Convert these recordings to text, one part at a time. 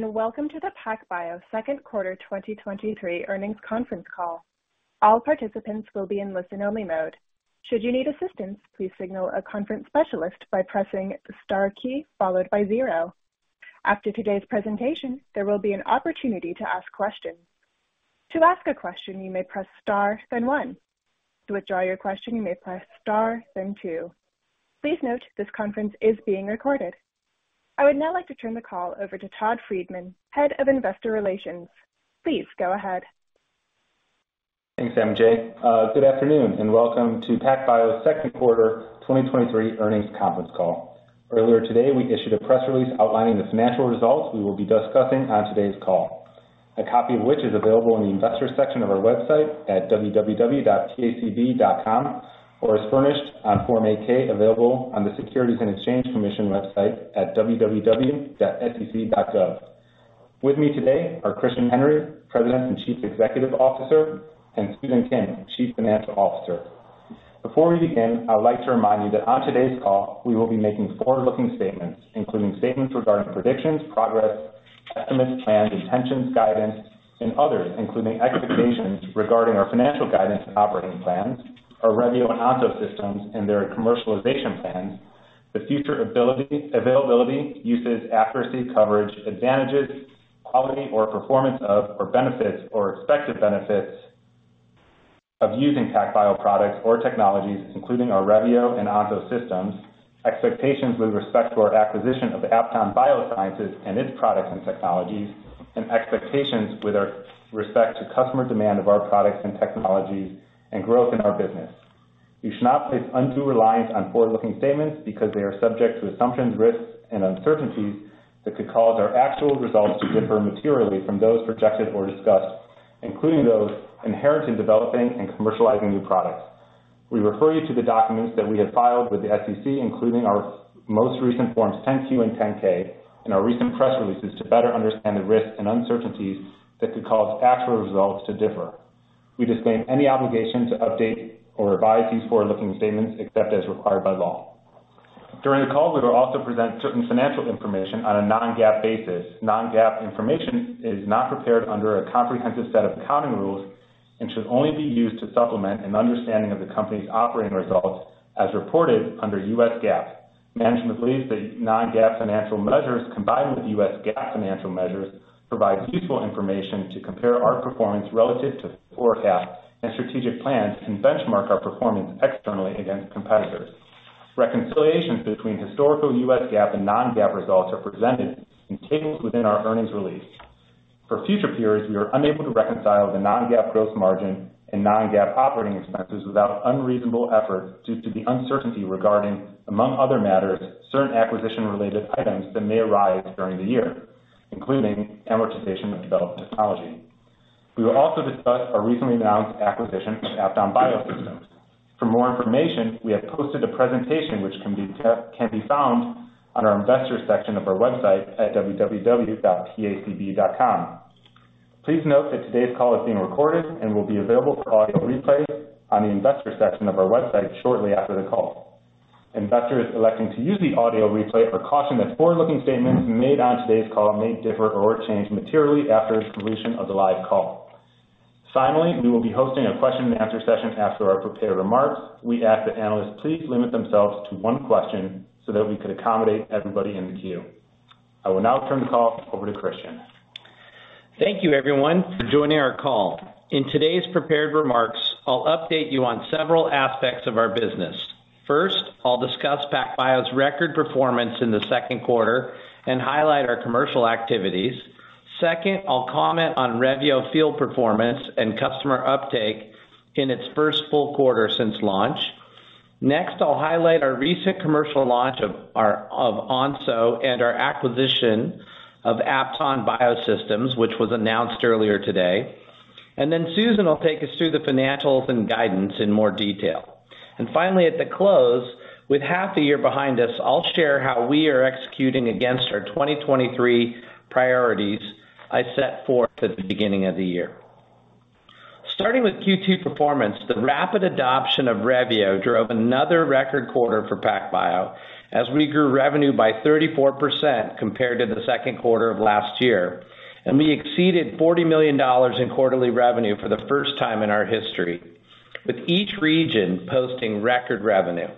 Welcome to the PacBio Second Quarter 2023 Earnings Conference Call. All participants will be in listen-only mode. Should you need assistance, please signal a conference specialist by pressing the star followed by zero. After today's presentation, there will be an opportunity to ask questions. To ask a question, you may press star, then one. To withdraw your question, you may press star, then two. Please note, this conference is being recorded. I would now like to turn the call over to Todd Friedman, Head of Investor Relations. Please go ahead. Thanks, MJ. Good afternoon, and welcome to PacBio's Second Quarter 2023 Earnings Conference Call. Earlier today, we issued a press release outlining the financial results we will be discussing on today's call. A copy of which is available in the investor section of our website at www.pacb.com, or as furnished on Form 8-K, available on the Securities and Exchange Commission website at www.sec.gov. With me today are Christian Henry, President and Chief Executive Officer, and Susan Kim, Chief Financial Officer. Before we begin, I would like to remind you that on today's call, we will be making forward-looking statements, including statements regarding predictions, progress, estimates, plans, intentions, guidance, and others, including expectations regarding our financial guidance and operating plans, our Revio and Onso systems and their commercialization plans, the future ability, availability, uses, accuracy, coverage, advantages, quality, or performance of, or benefits or expected benefits of using PacBio products or technologies, including our Revio and Onso systems, expectations with respect to our acquisition of Apton Biosystems and its products and technologies, and expectations with our respect to customer demand of our products and technologies and growth in our business. You should not place undue reliance on forward-looking statements because they are subject to assumptions, risks and uncertainties that could cause our actual results to differ materially from those projected or discussed, including those inherent in developing and commercializing new products. We refer you to the documents that we have filed with the SEC, including our most recent forms, 10-Q and 10-K, and our recent press releases, to better understand the risks and uncertainties that could cause actual results to differ. We disclaim any obligation to update or revise these forward-looking statements except as required by law. During the call, we will also present certain financial information on a non-GAAP basis. Non-GAAP information is not prepared under a comprehensive set of accounting rules and should only be used to supplement an understanding of the company's operating results as reported under US GAAP. Management believes that non-GAAP financial measures, combined with US GAAP financial measures, provide useful information to compare our performance relative to forecasts and strategic plans, and benchmark our performance externally against competitors. Reconciliations between historical US GAAP and non-GAAP results are presented in tables within our earnings release. For future periods, we are unable to reconcile the non-GAAP gross margin and non-GAAP operating expenses without unreasonable effort due to the uncertainty regarding, among other matters, certain acquisition-related items that may arise during the year, including amortization of developed technology. We will also discuss our recently announced acquisition of Apton Biosystems. For more information, we have posted a presentation which can be found on our investor section of our website at www.pacb.com. Please note that today's call is being recorded and will be available for audio replay on the investor section of our website shortly after the call. Investors electing to use the audio replay are cautioned that forward-looking statements made on today's call may differ or change materially after the conclusion of the live call. We will be hosting a question and answer session after our prepared remarks. We ask that analysts please limit themselves to one question so that we can accommodate everybody in the queue. I will now turn the call over to Christian. Thank you, everyone, for joining our call. In today's prepared remarks, I'll update you on several aspects of our business. First, I'll discuss PacBio's record performance in the second quarter and highlight our commercial activities. Second, I'll comment on Revio field performance and customer uptake in its first full quarter since launch. Next, I'll highlight our recent commercial launch of Onso and our acquisition of Apton Biosystems, which was announced earlier today. Then Susan will take us through the financials and guidance in more detail. Finally, at the close, with half the year behind us, I'll share how we are executing against our 2023 priorities I set forth at the beginning of the year. Starting with Q2 performance, the rapid adoption of Revio drove another record quarter for PacBio, as we grew revenue by 34% compared to the second quarter of last year. We exceeded $40 million in quarterly revenue for the first time in our history, with each region posting record revenue.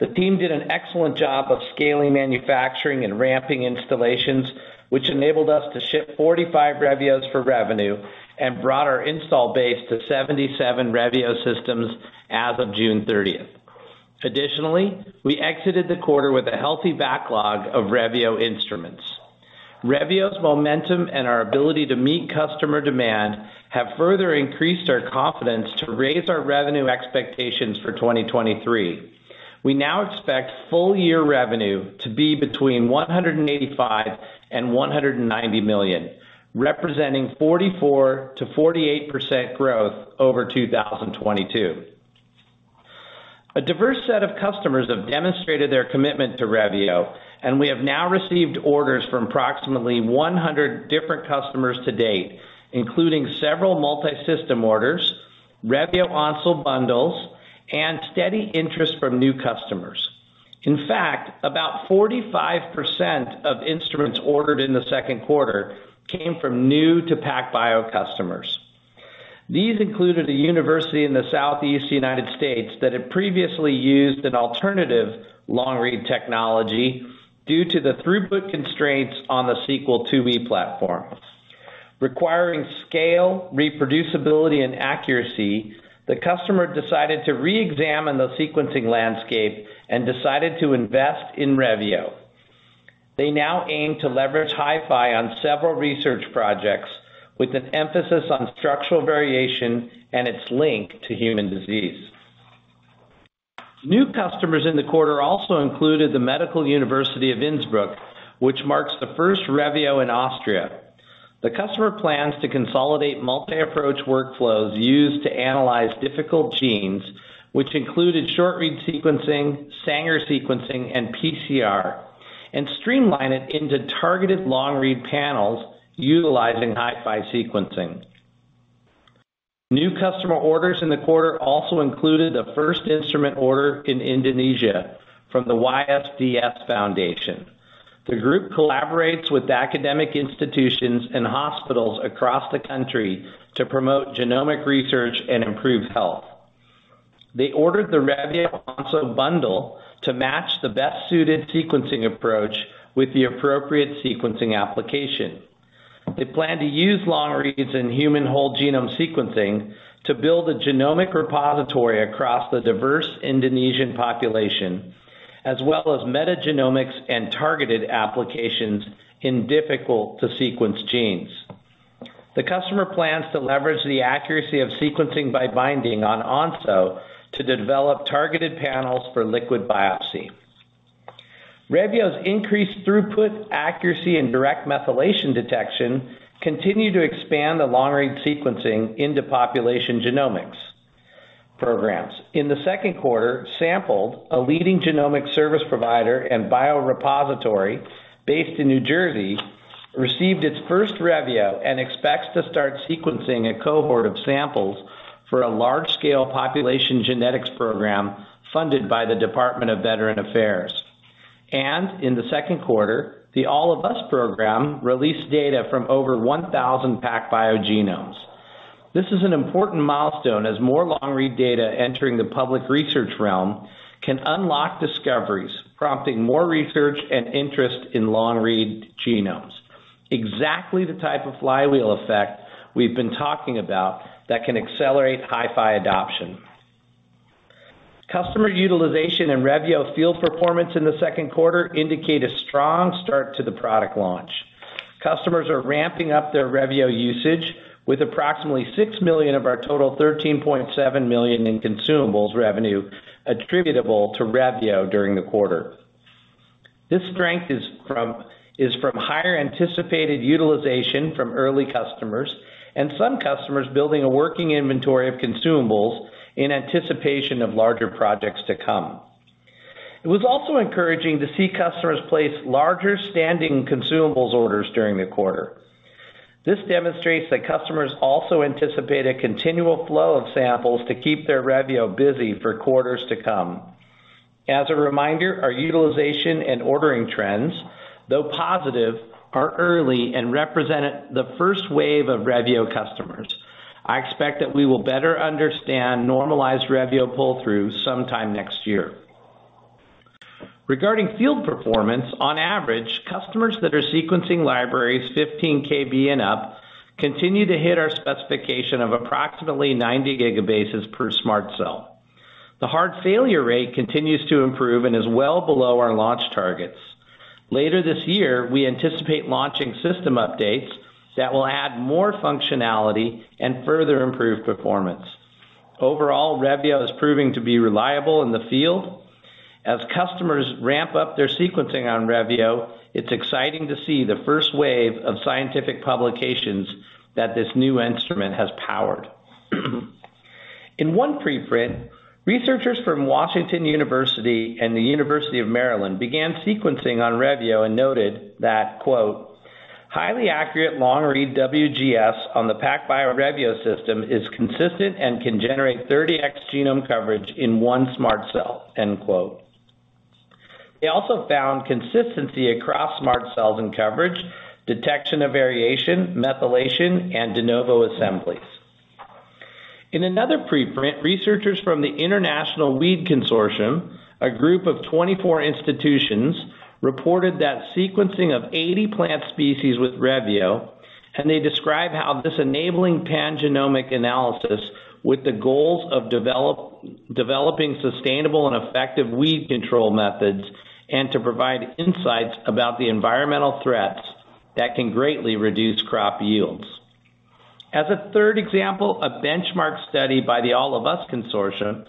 The team did an excellent job of scaling, manufacturing, and ramping installations, which enabled us to ship 45 Revios for revenue and brought our install base to 77 Revio systems as of June 30th. Additionally, we exited the quarter with a healthy backlog of Revio instruments. Revio's momentum and our ability to meet customer demand have further increased our confidence to raise our revenue expectations for 2023. We now expect full year revenue to be between $185 million and $190 million, representing 44%-48% growth over 2022. A diverse set of customers have demonstrated their commitment to Revio, and we have now received orders from approximately 100 different customers to date, including several multisystem orders, Revio Onso bundles, and steady interest from new customers.... In fact, about 45% of instruments ordered in the second quarter came from new to PacBio customers. These included a university in the Southeast United States that had previously used an alternative long-read technology due to the throughput constraints on the Sequel IIe platform. Requiring scale, reproducibility, and accuracy, the customer decided to reexamine the sequencing landscape and decided to invest in Revio. They now aim to leverage HiFi on several research projects, with an emphasis on structural variation and its link to human disease. New customers in the quarter also included the Medical University of Innsbruck, which marks the first Revio in Austria. The customer plans to consolidate multi-approach workflows used to analyze difficult genes, which included short-read sequencing, Sanger sequencing, and PCR, and streamline it into targeted long-read panels utilizing HiFi sequencing. New customer orders in the quarter also included a first instrument order in Indonesia from the YSDS Foundation. The group collaborates with academic institutions and hospitals across the country to promote genomic research and improve health. They ordered the Revio Onso Bundle to match the best-suited sequencing approach with the appropriate sequencing application. They plan to use long-reads in human whole genome sequencing to build a genomic repository across the diverse Indonesian population, as well as metagenomics and targeted applications in difficult-to-sequence genes. The customer plans to leverage the accuracy of sequencing by binding on Onso to develop targeted panels for liquid biopsy. Revio's increased throughput, accuracy, and direct methylation detection continue to expand the long-read sequencing into population genomics programs. In the second quarter, Sampled, a leading genomic service provider and biorepository based in New Jersey, received its first Revio and expects to start sequencing a cohort of samples for a large-scale population genetics program funded by the Department of Veterans Affairs. In the second quarter, the All of Us program released data from over 1,000 PacBio genomes. This is an important milestone, as more long-read data entering the public research realm can unlock discoveries, prompting more research and interest in long-read genomes. Exactly the type of flywheel effect we've been talking about that can accelerate HiFi adoption. Customer utilization and Revio field performance in the second quarter indicate a strong start to the product launch. Customers are ramping up their Revio usage, with approximately $6 million of our total $13.7 million in consumables revenue attributable to Revio during the quarter. This strength is from higher anticipated utilization from early customers and some customers building a working inventory of consumables in anticipation of larger projects to come. It was also encouraging to see customers place larger standing consumables orders during the quarter. This demonstrates that customers also anticipate a continual flow of samples to keep their Revio busy for quarters to come. As a reminder, our utilization and ordering trends, though positive, are early and represented the first wave of Revio customers. I expect that we will better understand normalized Revio pull-through sometime next year. Regarding field performance, on average, customers that are sequencing libraries 15 kb and up continue to hit our specification of approximately 90 gigabases per SMRT Cell. The hard failure rate continues to improve and is well below our launch targets. Later this year, we anticipate launching system updates that will add more functionality and further improve performance. Overall, Revio is proving to be reliable in the field. As customers ramp up their sequencing on Revio, it's exciting to see the first wave of scientific publications that this new instrument has powered. In one preprint, researchers from Washington University and the University of Maryland began sequencing on Revio and noted that, quote, "Highly accurate long-read WGS on the PacBio Revio system is consistent and can generate 30x genome coverage in one SMRT Cell," end quote. They also found consistency across SMRT Cells in coverage, detection of variation, methylation, and de novo assemblies. In another preprint, researchers from the International Weed Consortium, a group of 24 institutions, reported that sequencing of 80 plant species with Revio, and they describe how this enabling pangenomic analysis with the goals of developing sustainable and effective weed control methods, and to provide insights about the environmental threats that can greatly reduce crop yields. As a third example, a benchmark study by the All of Us Consortium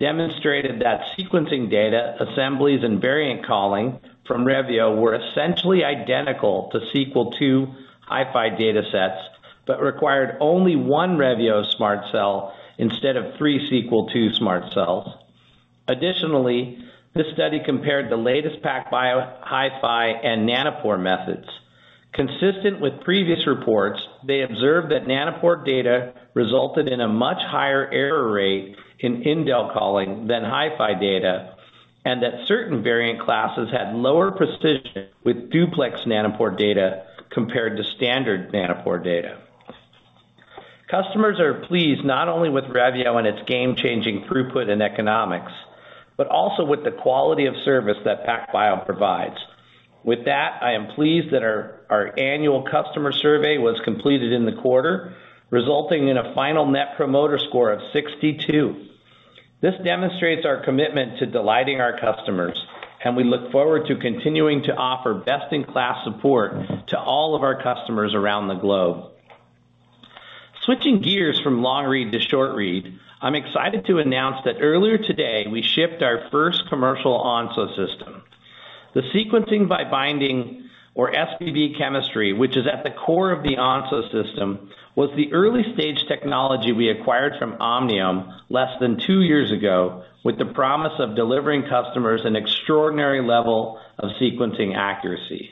demonstrated that sequencing data, assemblies, and variant calling from Revio were essentially identical to Sequel II HiFi datasets, but required only one Revio SMRT Cell instead of three Sequel II SMRT Cells. Additionally, this study compared the latest PacBio, HiFi, and Nanopore methods. Consistent with previous reports, they observed that Nanopore data resulted in a much higher error rate in indel calling than HiFi data, and that certain variant classes had lower precision with duplex Nanopore data compared to standard Nanopore data. Customers are pleased not only with Revio and its game-changing throughput and economics, but also with the quality of service that PacBio provides. With that, I am pleased that our annual customer survey was completed in the quarter, resulting in a final Net Promoter Score of 62. This demonstrates our commitment to delighting our customers. We look forward to continuing to offer best-in-class support to all of our customers around the globe. Switching gears from long-read to short-read, I'm excited to announce that earlier today, we shipped our first commercial Onso system. The sequencing by binding, or SBB chemistry, which is at the core of the Onso system, was the early-stage technology we acquired from Omniome less than 2 years ago, with the promise of delivering customers an extraordinary level of sequencing accuracy.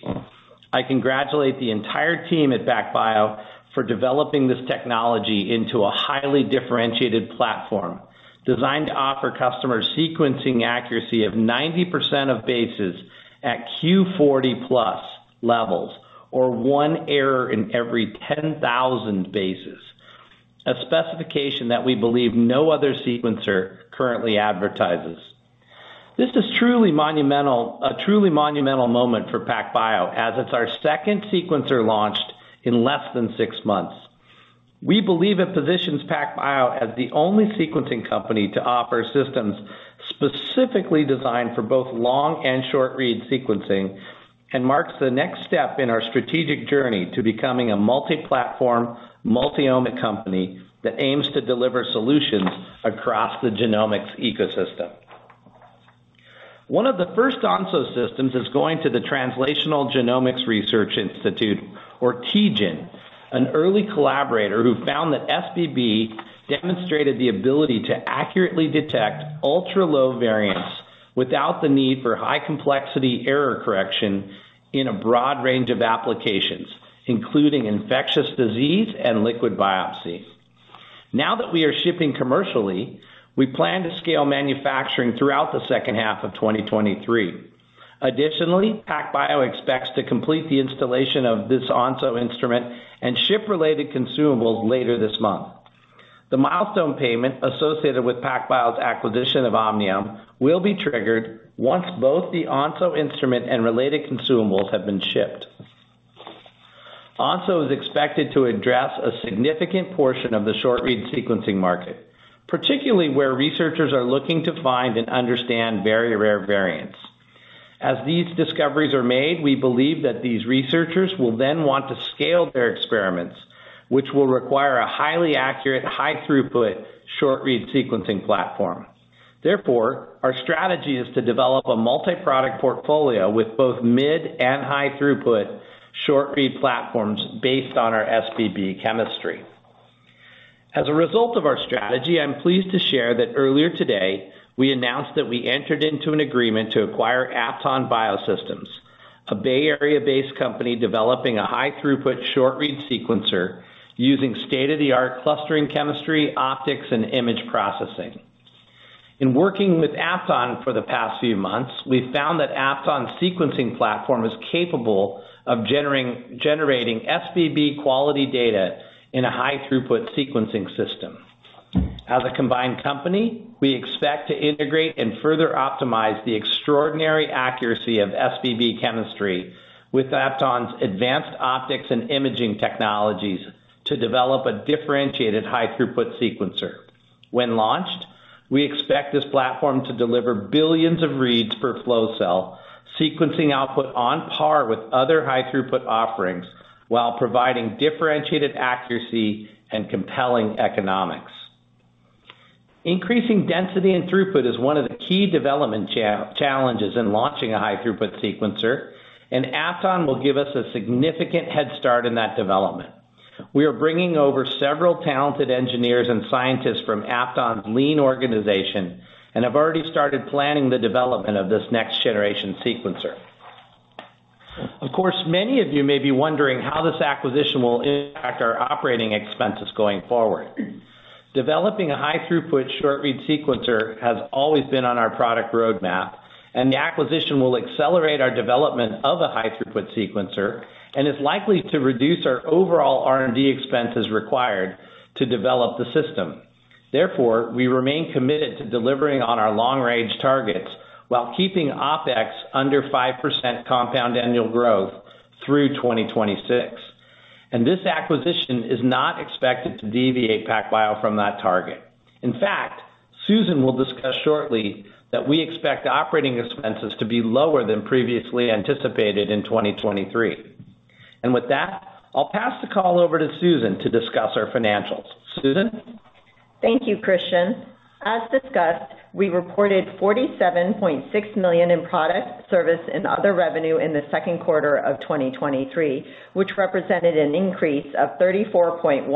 I congratulate the entire team at PacBio for developing this technology into a highly differentiated platform, designed to offer customers sequencing accuracy of 90% of bases at Q40+ levels, or 1 error in every 10,000 bases, a specification that we believe no other sequencer currently advertises. This is truly monumental- a truly monumental moment for PacBio, as it's our second sequencer launched in less than 6 months. We believe it positions PacBio as the only sequencing company to offer systems specifically designed for both long and short-read sequencing, and marks the next step in our strategic journey to becoming a multi-platform, multi-omic company that aims to deliver solutions across the genomics ecosystem. One of the first Onso systems is going to the Translational Genomics Research Institute, or TGEN, an early collaborator who found that SBB demonstrated the ability to accurately detect ultra-low variants without the need for high complexity error correction in a broad range of applications, including infectious disease and liquid biopsy. Now that we are shipping commercially, we plan to scale manufacturing throughout the second half of 2023. Additionally, PacBio expects to complete the installation of this Onso instrument and ship related consumables later this month. The milestone payment associated with PacBio's acquisition of Omniome will be triggered once both the Onso instrument and related consumables have been shipped. Onso is expected to address a significant portion of the short-read sequencing market, particularly where researchers are looking to find and understand very rare variants. As these discoveries are made, we believe that these researchers will then want to scale their experiments, which will require a highly accurate, high throughput, short-read sequencing platform. Therefore, our strategy is to develop a multi-product portfolio with both mid and high throughput short-read platforms based on our SBB chemistry. As a result of our strategy, I'm pleased to share that earlier today, we announced that we entered into an agreement to acquire Apton Biosystems, a Bay Area-based company developing a high throughput short-read sequencer using state-of-the-art clustering, chemistry, optics, and image processing. In working with Apton for the past few months, we've found that Apton's sequencing platform is capable of generating SBB quality data in a high throughput sequencing system. As a combined company, we expect to integrate and further optimize the extraordinary accuracy of SBB chemistry with Apton's advanced optics and imaging technologies to develop a differentiated high throughput sequencer. When launched, we expect this platform to deliver billions of reads per flow cell, sequencing output on par with other high throughput offerings, while providing differentiated accuracy and compelling economics. Increasing density and throughput is one of the key development challenges in launching a high throughput sequencer, and Apton will give us a significant head start in that development. We are bringing over several talented engineers and scientists from Apton's lean organization, and have already started planning the development of this next generation sequencer. Of course, many of you may be wondering how this acquisition will impact our operating expenses going forward. Developing a high throughput short-read sequencer has always been on our product roadmap, and the acquisition will accelerate our development of a high throughput sequencer, and is likely to reduce our overall R&D expenses required to develop the system. Therefore, we remain committed to delivering on our long-range targets while keeping OpEx under 5% compound annual growth through 2026, and this acquisition is not expected to deviate PacBio from that target. In fact, Susan will discuss shortly that we expect operating expenses to be lower than previously anticipated in 2023. With that, I'll pass the call over to Susan to discuss our financials. Susan? Thank you, Christian. As discussed, we reported $47.6 million in product, service, and other revenue in the second quarter of 2023, which represented an increase of 34.1%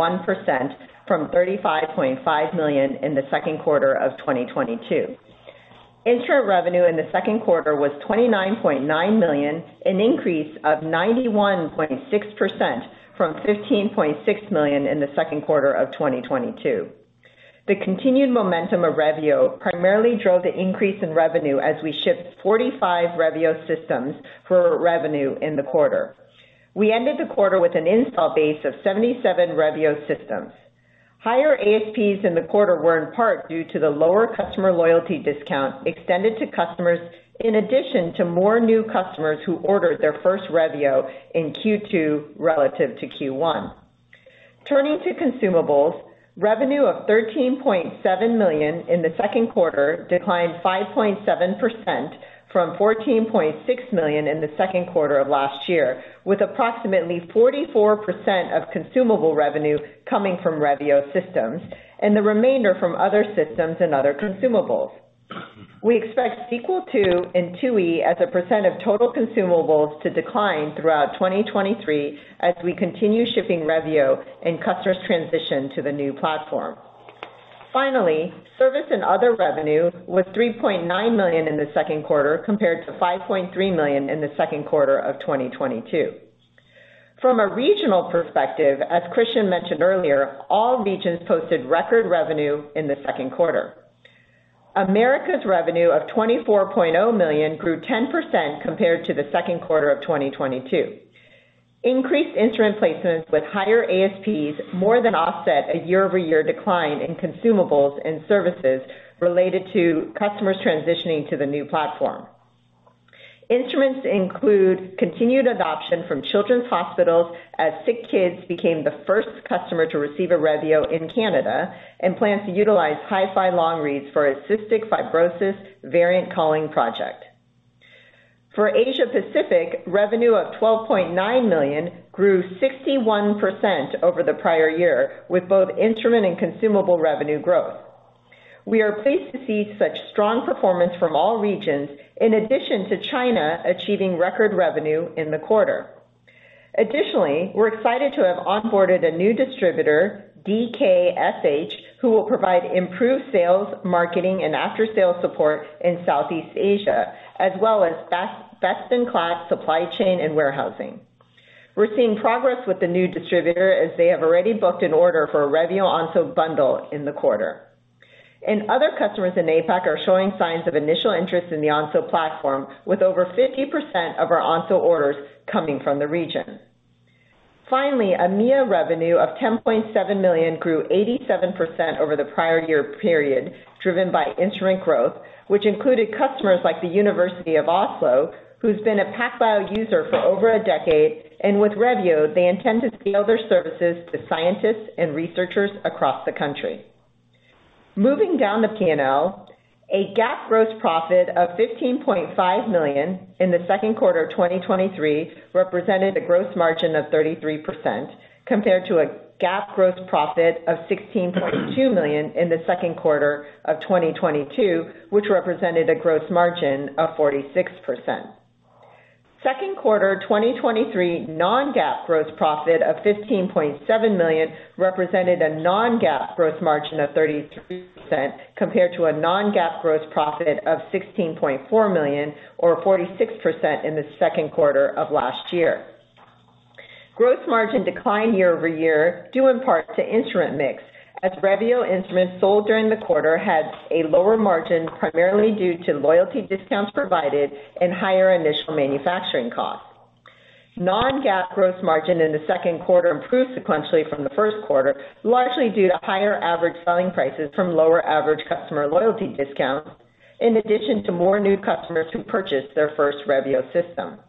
from $35.5 million in the second quarter of 2022. Instrument revenue in the second quarter was $29.9 million, an increase of 91.6% from $15.6 million in the second quarter of 2022. The continued momentum of Revio primarily drove the increase in revenue, as we shipped 45 Revio systems for revenue in the quarter. We ended the quarter with an install base of 77 Revio systems. Higher ASPs in the quarter were in part due to the lower customer loyalty discount extended to customers, in addition to more new customers who ordered their first Revio in Q2 relative to Q1. Turning to consumables, revenue of $13.7 million in the second quarter declined 5.7% from $14.6 million in the second quarter of last year, with approximately 44% of consumable revenue coming from Revio systems and the remainder from other systems and other consumables. We expect Sequel II and IIe as a percent of total consumables, to decline throughout 2023 as we continue shipping Revio and customers transition to the new platform. Service and other revenue was $3.9 million in the second quarter, compared to $5.3 million in the second quarter of 2022. From a regional perspective, as Christian mentioned earlier, all regions posted record revenue in the second quarter. Americas revenue of $24.0 million grew 10% compared to the second quarter of 2022. Increased instrument placements with higher ASPs more than offset a year-over-year decline in consumables and services related to customers transitioning to the new platform. Instruments include continued adoption from children's hospitals, as SickKids became the first customer to receive a Revio in Canada, and plans to utilize HiFi long reads for its cystic fibrosis variant calling project. For Asia Pacific, revenue of $12.9 million grew 61% over the prior year, with both instrument and consumable revenue growth. We are pleased to see such strong performance from all regions, in addition to China achieving record revenue in the quarter. Additionally, we're excited to have onboarded a new distributor, DKSH, who will provide improved sales, marketing, and after-sales support in Southeast Asia, as well as best-in-class supply chain and warehousing. We're seeing progress with the new distributor, as they have already booked an order for a Revio Onso Bundle in the quarter. Other customers in APAC are showing signs of initial interest in the Onso platform, with over 50% of our Onso orders coming from the region. EMEA revenue of $10.7 million grew 87% over the prior year period, driven by instrument growth, which included customers like the University of Oslo, who's been a PacBio user for over a decade, and with Revio, they intend to scale their services to scientists and researchers across the country. Moving down the PNL, a GAAP gross profit of $15.5 million in the second quarter of 2023 represented a gross margin of 33%, compared to a GAAP gross profit of $16.2 million in the second quarter of 2022, which represented a gross margin of 46%. Second quarter 2023 non-GAAP gross profit of $15.7 million represented a non-GAAP gross margin of 33%, compared to a non-GAAP gross profit of $16.4 million or 46% in the second quarter of last year. Gross margin declined year-over-year, due in part to instrument mix, as Revio instruments sold during the quarter had a lower margin, primarily due to loyalty discounts provided and higher initial manufacturing costs. Non-GAAP gross margin in the second quarter improved sequentially from the first quarter, largely due to higher average selling prices from lower average customer loyalty discounts, in addition to more new customers who purchased their first Revio system.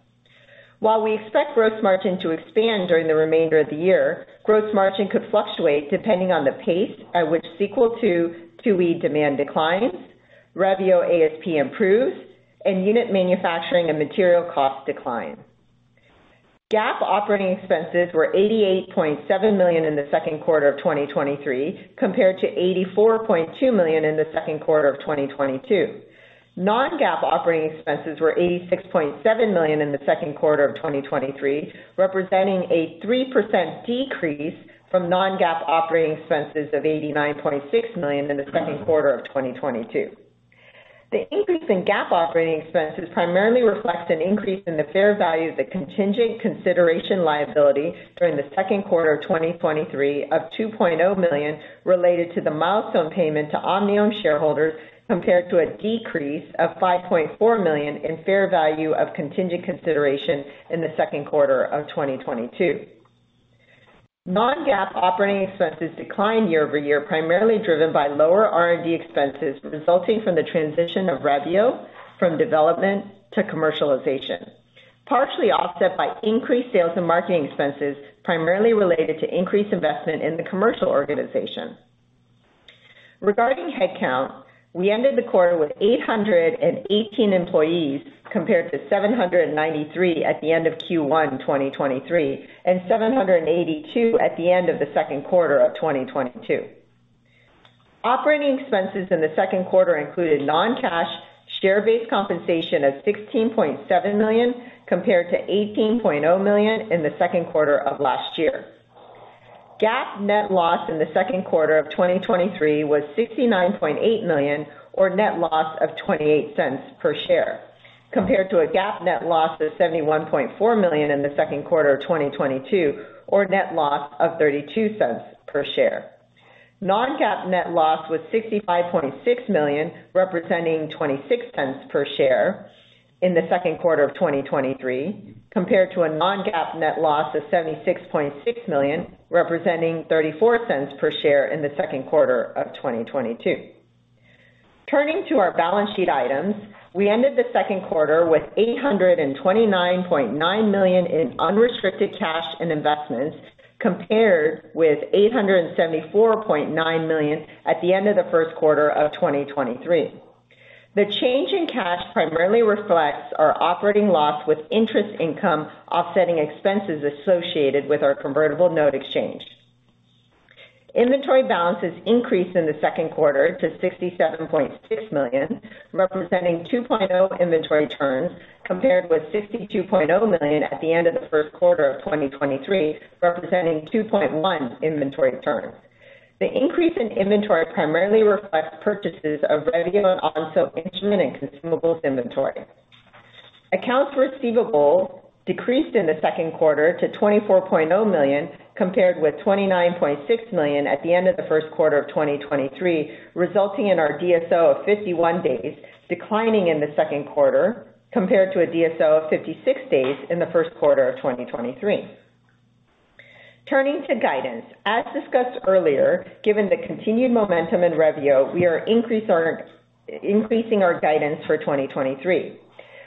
While we expect gross margin to expand during the remainder of the year, gross margin could fluctuate depending on the pace at which Sequel II, IIe demand declines, Revio ASP improves, and unit manufacturing and material costs decline. GAAP operating expenses were $88.7 million in the second quarter of 2023, compared to $84.2 million in the second quarter of 2022. Non-GAAP operating expenses were $86.7 million in the second quarter of 2023, representing a 3% decrease from non-GAAP operating expenses of $89.6 million in the second quarter of 2022. The increase in GAAP operating expenses primarily reflect an increase in the fair value of the contingent consideration liability during the second quarter of 2023 of $2.0 million, related to the milestone payment to Omniome shareholders, compared to a decrease of $5.4 million in fair value of contingent consideration in the second quarter of 2022. Non-GAAP operating expenses declined year-over-year, primarily driven by lower R&D expenses, resulting from the transition of Revio from development to commercialization, partially offset by increased sales and marketing expenses, primarily related to increased investment in the commercial organization. Regarding headcount, we ended the quarter with 818 employees, compared to 793 at the end of Q1 2023, and 782 at the end of the second quarter of 2022. Operating expenses in the second quarter included non-cash share-based compensation of $16.7 million, compared to $18.0 million in the second quarter of last year. GAAP net loss in the second quarter of 2023 was $69.8 million, or net loss of $0.28 per share, compared to a GAAP net loss of $71.4 million in the second quarter of 2022, or net loss of $0.32 per share. Non-GAAP net loss was $65.6 million, representing $0.26 per share in the second quarter of 2023, compared to a non-GAAP net loss of $76.6 million, representing $0.34 per share in the second quarter of 2022. Turning to our balance sheet items, we ended the second quarter with $829.9 million in unrestricted cash and investments, compared with $874.9 million at the end of the first quarter of 2023. The change in cash primarily reflects our operating loss, with interest income offsetting expenses associated with our convertible note exchange. Inventory balances increased in the second quarter to $67.6 million, representing 2.0 inventory turns, compared with $62.0 million at the end of the first quarter of 2023, representing 2.1 inventory turns. The increase in inventory primarily reflects purchases of Revio and Onso instrument and consumables inventory. Accounts receivable decreased in the second quarter to $24.0 million, compared with $29.6 million at the end of the first quarter of 2023, resulting in our DSO of 51 days declining in the second quarter, compared to a DSO of 56 days in the first quarter of 2023. Turning to guidance. As discussed earlier, given the continued momentum in Revio, we are increasing our guidance for 2023.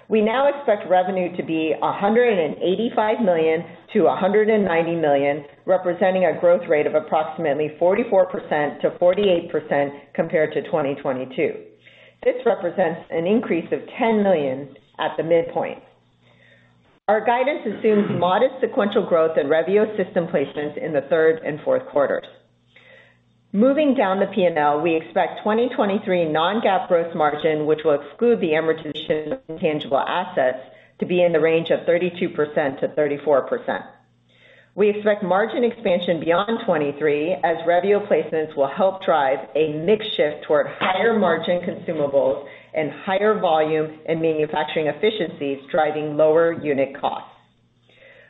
We now expect revenue to be $185 million-$190 million, representing a growth rate of approximately 44%-48% compared to 2022. This represents an increase of $10 million at the midpoint. Our guidance assumes modest sequential growth in Revio system placements in the third and fourth quarters. Moving down the PNL, we expect 2023 non-GAAP growth margin, which will exclude the amortization of intangible assets, to be in the range of 32%-34%. We expect margin expansion beyond 2023, as Revio placements will help drive a mix shift toward higher margin consumables and higher volume and manufacturing efficiencies, driving lower unit costs.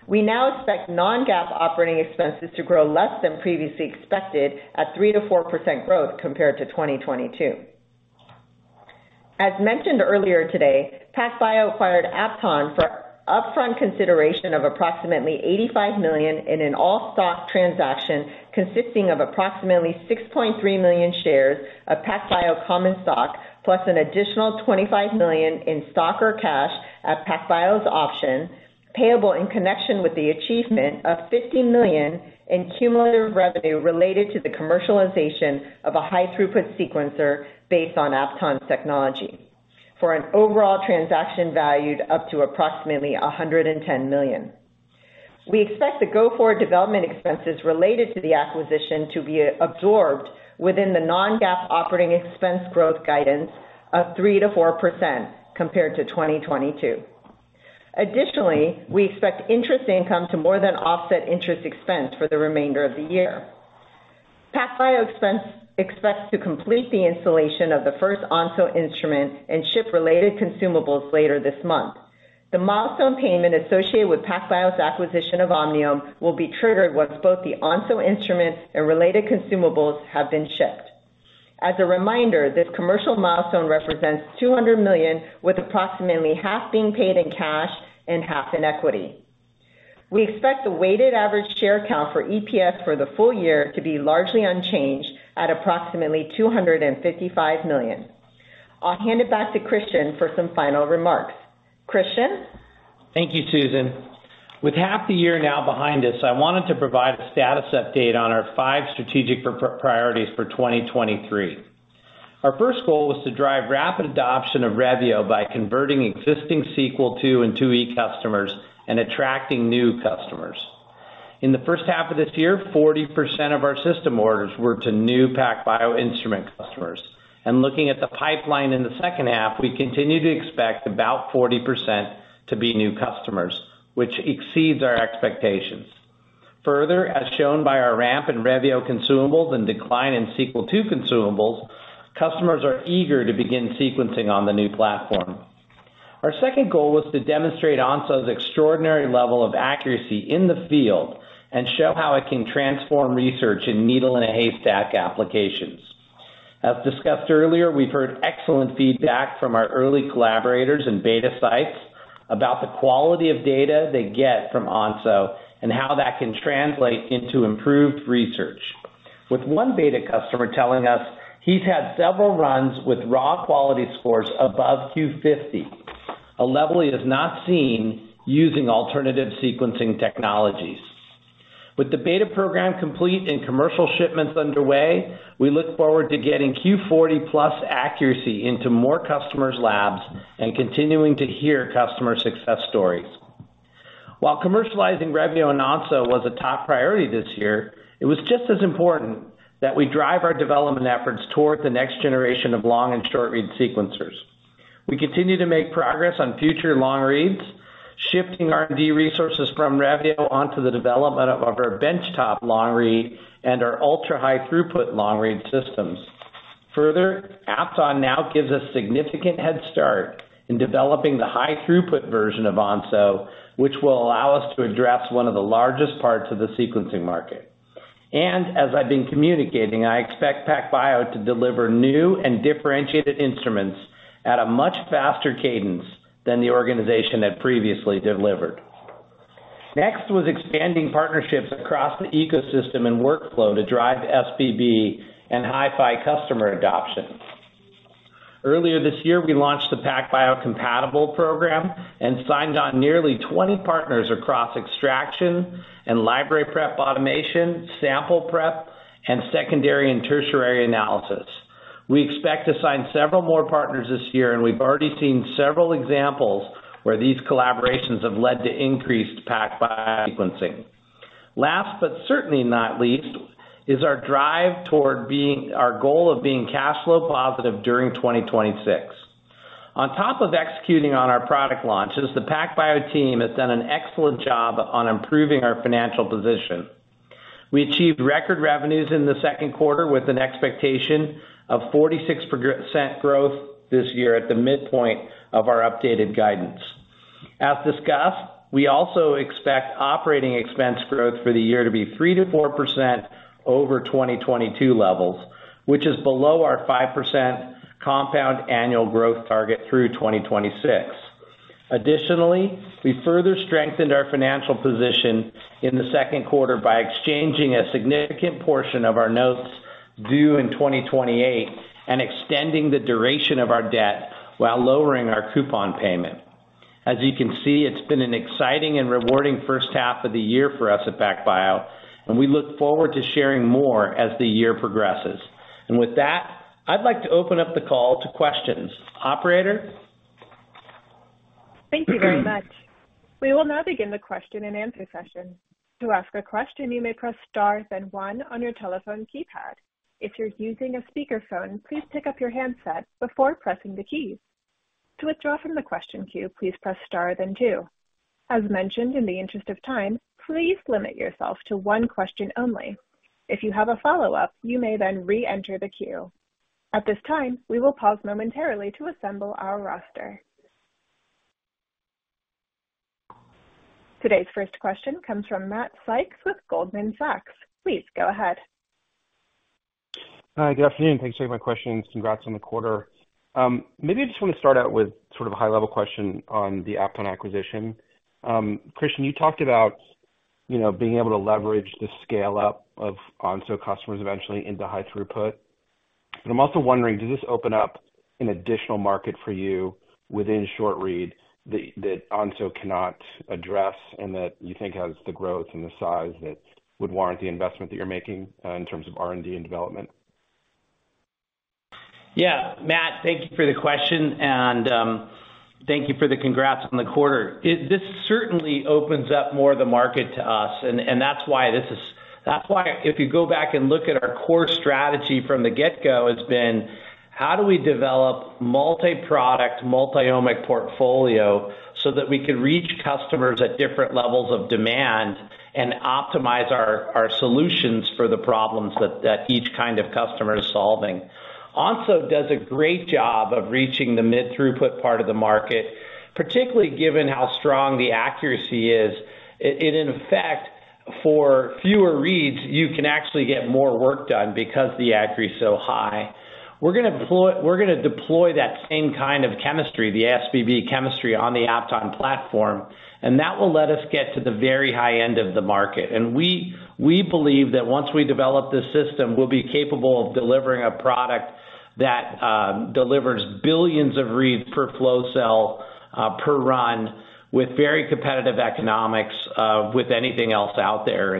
We now expect non-GAAP operating expenses to grow less than previously expected, at 3%-4% growth compared to 2022. As mentioned earlier today, PacBio acquired Apton for upfront consideration of approximately $85 million in an all-stock transaction, consisting of approximately 6.3 million shares of PacBio common stock, plus an additional $25 million in stock or cash at PacBio's option, payable in connection with the achievement of $50 million in cumulative revenue related to the commercialization of a high-throughput sequencer based on Apton's technology, for an overall transaction valued up to approximately $110 million. We expect the go-forward development expenses related to the acquisition to be absorbed within the non-GAAP operating expense growth guidance of 3%-4% compared to 2022. Additionally, we expect interest income to more than offset interest expense for the remainder of the year. PacBio expense expects to complete the installation of the first Onso instrument and ship related consumables later this month. The milestone payment associated with PacBio's acquisition of Omniome will be triggered once both the Onso instruments and related consumables have been shipped. As a reminder, this commercial milestone represents $200 million, with approximately half being paid in cash and half in equity. We expect the weighted average share count for EPS for the full year to be largely unchanged at approximately 255 million. I'll hand it back to Christian for some final remarks. Christian? Thank you, Susan. With half the year now behind us, I wanted to provide a status update on our 5 strategic priorities for 2023. Our first goal was to drive rapid adoption of Revio by converting existing Sequel II and IIe customers and attracting new customers. In the first half of this year, 40% of our system orders were to new PacBio instrument customers, and looking at the pipeline in the second half, we continue to expect about 40% to be new customers, which exceeds our expectations. Further, as shown by our ramp in Revio consumables and decline in Sequel II consumables, customers are eager to begin sequencing on the new platform. Our second goal was to demonstrate Onso's extraordinary level of accuracy in the field and show how it can transform research in needle-in-a-haystack applications. As discussed earlier, we've heard excellent feedback from our early collaborators and beta sites about the quality of data they get from Onso and how that can translate into improved research. With one beta customer telling us he's had several runs with raw quality scores above Q50, a level he has not seen using alternative sequencing technologies. With the beta program complete and commercial shipments underway, we look forward to getting Q40 plus accuracy into more customers' labs and continuing to hear customer success stories. While commercializing Revio and Onso was a top priority this year, it was just as important that we drive our development efforts toward the next generation of long-read and short-read sequencers. We continue to make progress on future long-reads, shifting R&D resources from Revio onto the development of our benchtop long-read and our ultra-high throughput long-read systems. Further, Apton now gives us significant head start in developing the high throughput version of Onso, which will allow us to address one of the largest parts of the sequencing market. As I've been communicating, I expect PacBio to deliver new and differentiated instruments at a much faster cadence than the organization had previously delivered. Next was expanding partnerships across the ecosystem and workflow to drive SBB and HiFi customer adoption. Earlier this year, we launched the PacBio Compatible Program and signed on nearly 20 partners across extraction and library prep, automation, sample prep, and secondary and tertiary analysis. We expect to sign several more partners this year. We've already seen several examples where these collaborations have led to increased PacBio sequencing. Last, certainly not least, is our drive toward being our goal of being cash flow positive during 2026. On top of executing on our product launches, the PacBio team has done an excellent job on improving our financial position. We achieved record revenues in the second quarter with an expectation of 46% growth this year at the midpoint of our updated guidance. As discussed, we also expect operating expense growth for the year to be 3%-4% over 2022 levels, which is below our 5% compound annual growth target through 2026. Additionally, we further strengthened our financial position in the second quarter by exchanging a significant portion of our notes due in 2028, and extending the duration of our debt while lowering our coupon payment. As you can see, it's been an exciting and rewarding first half of the year for us at PacBio, and we look forward to sharing more as the year progresses. With that, I'd like to open up the call to questions. Operator? Thank you very much. We will now begin the question and answer session. To ask a question, you may press star, then one on your telephone keypad. If you're using a speakerphone, please pick up your handset before pressing the keys. To withdraw from the question queue, please press star then two. As mentioned, in the interest of time, please limit yourself to one question only. If you have a follow-up, you may then reenter the queue. At this time, we will pause momentarily to assemble our roster. Today's first question comes from Matt Sykes with Goldman Sachs. Please go ahead. Hi, good afternoon. Thanks for taking my questions. Congrats on the quarter. Maybe I just want to start out with sort of a high-level question on the Apton acquisition. Christian, you talked about, you know, being able to leverage the scale-up of Onso customers eventually into high throughput. I'm also wondering, does this open up an additional market for you within short read that, that Onso cannot address and that you think has the growth and the size that would warrant the investment that you're making in terms of R&D and development? Yeah. Matt, thank you for the question, and thank you for the congrats on the quarter. This certainly opens up more of the market to us, and that's why this is. That's why if you go back and look at our core strategy from the get-go, has been: How do we develop multi-product, multi-omic portfolio, so that we can reach customers at different levels of demand and optimize our solutions for the problems that each kind of customer is solving? Onso does a great job of reaching the mid-throughput part of the market, particularly given how strong the accuracy is. It in effect, for fewer reads, you can actually get more work done because the accuracy is so high. We're going to deploy, we're going to deploy that same kind of chemistry, the SBB chemistry, on the Apton platform, and that will let us get to the very high end of the market. We, we believe that once we develop this system, we'll be capable of delivering a product that delivers billions of reads per flow cell per run, with very competitive economics with anything else out there.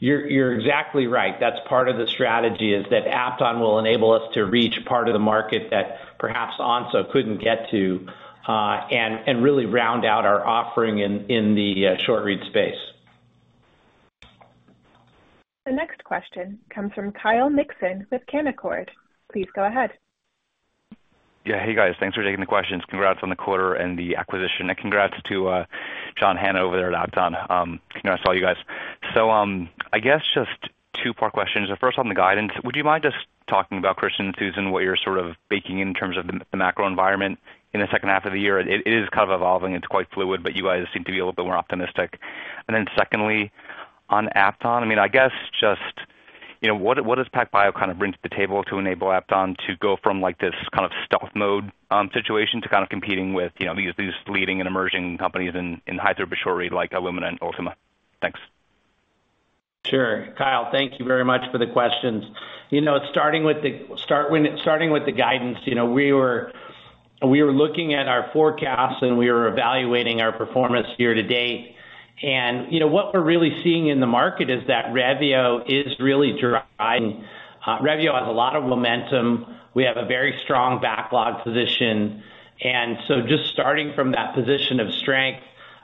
You're, you're exactly right. That's part of the strategy, is that Apton will enable us to reach part of the market that perhaps Onso couldn't get to, and really round out our offering in, in the short read space. The next question comes from Kyle Mikson with Canaccord. Please go ahead. Hey, guys, thanks for taking the questions. Congrats on the quarter and the acquisition, and congrats to John Hanna over there at Apton, congrats to all you guys. I guess just two-part questions. The first on the guidance, would you mind just talking about, Christian and Susan, what you're sort of baking in terms of the, the macro environment in the second half of the year? It, it is kind of evolving, it's quite fluid, but you guys seem to be a little bit more optimistic. Then secondly, on Apton, I mean, I guess just, you know, what, what does PacBio kind of bring to the table to enable Apton to go from, like, this kind of stealth mode situation, to kind of competing with, you know, these, these leading and emerging companies in, in high throughput short read, like Illumina and Ultima? Thanks. Sure. Kyle, thank you very much for the questions. You know, starting with the guidance, you know, we were looking at our forecasts, and we were evaluating our performance year to date. You know, what we're really seeing in the market is that Revio is really driving, Revio has a lot of momentum. We have a very strong backlog position, so just starting from that position of strength,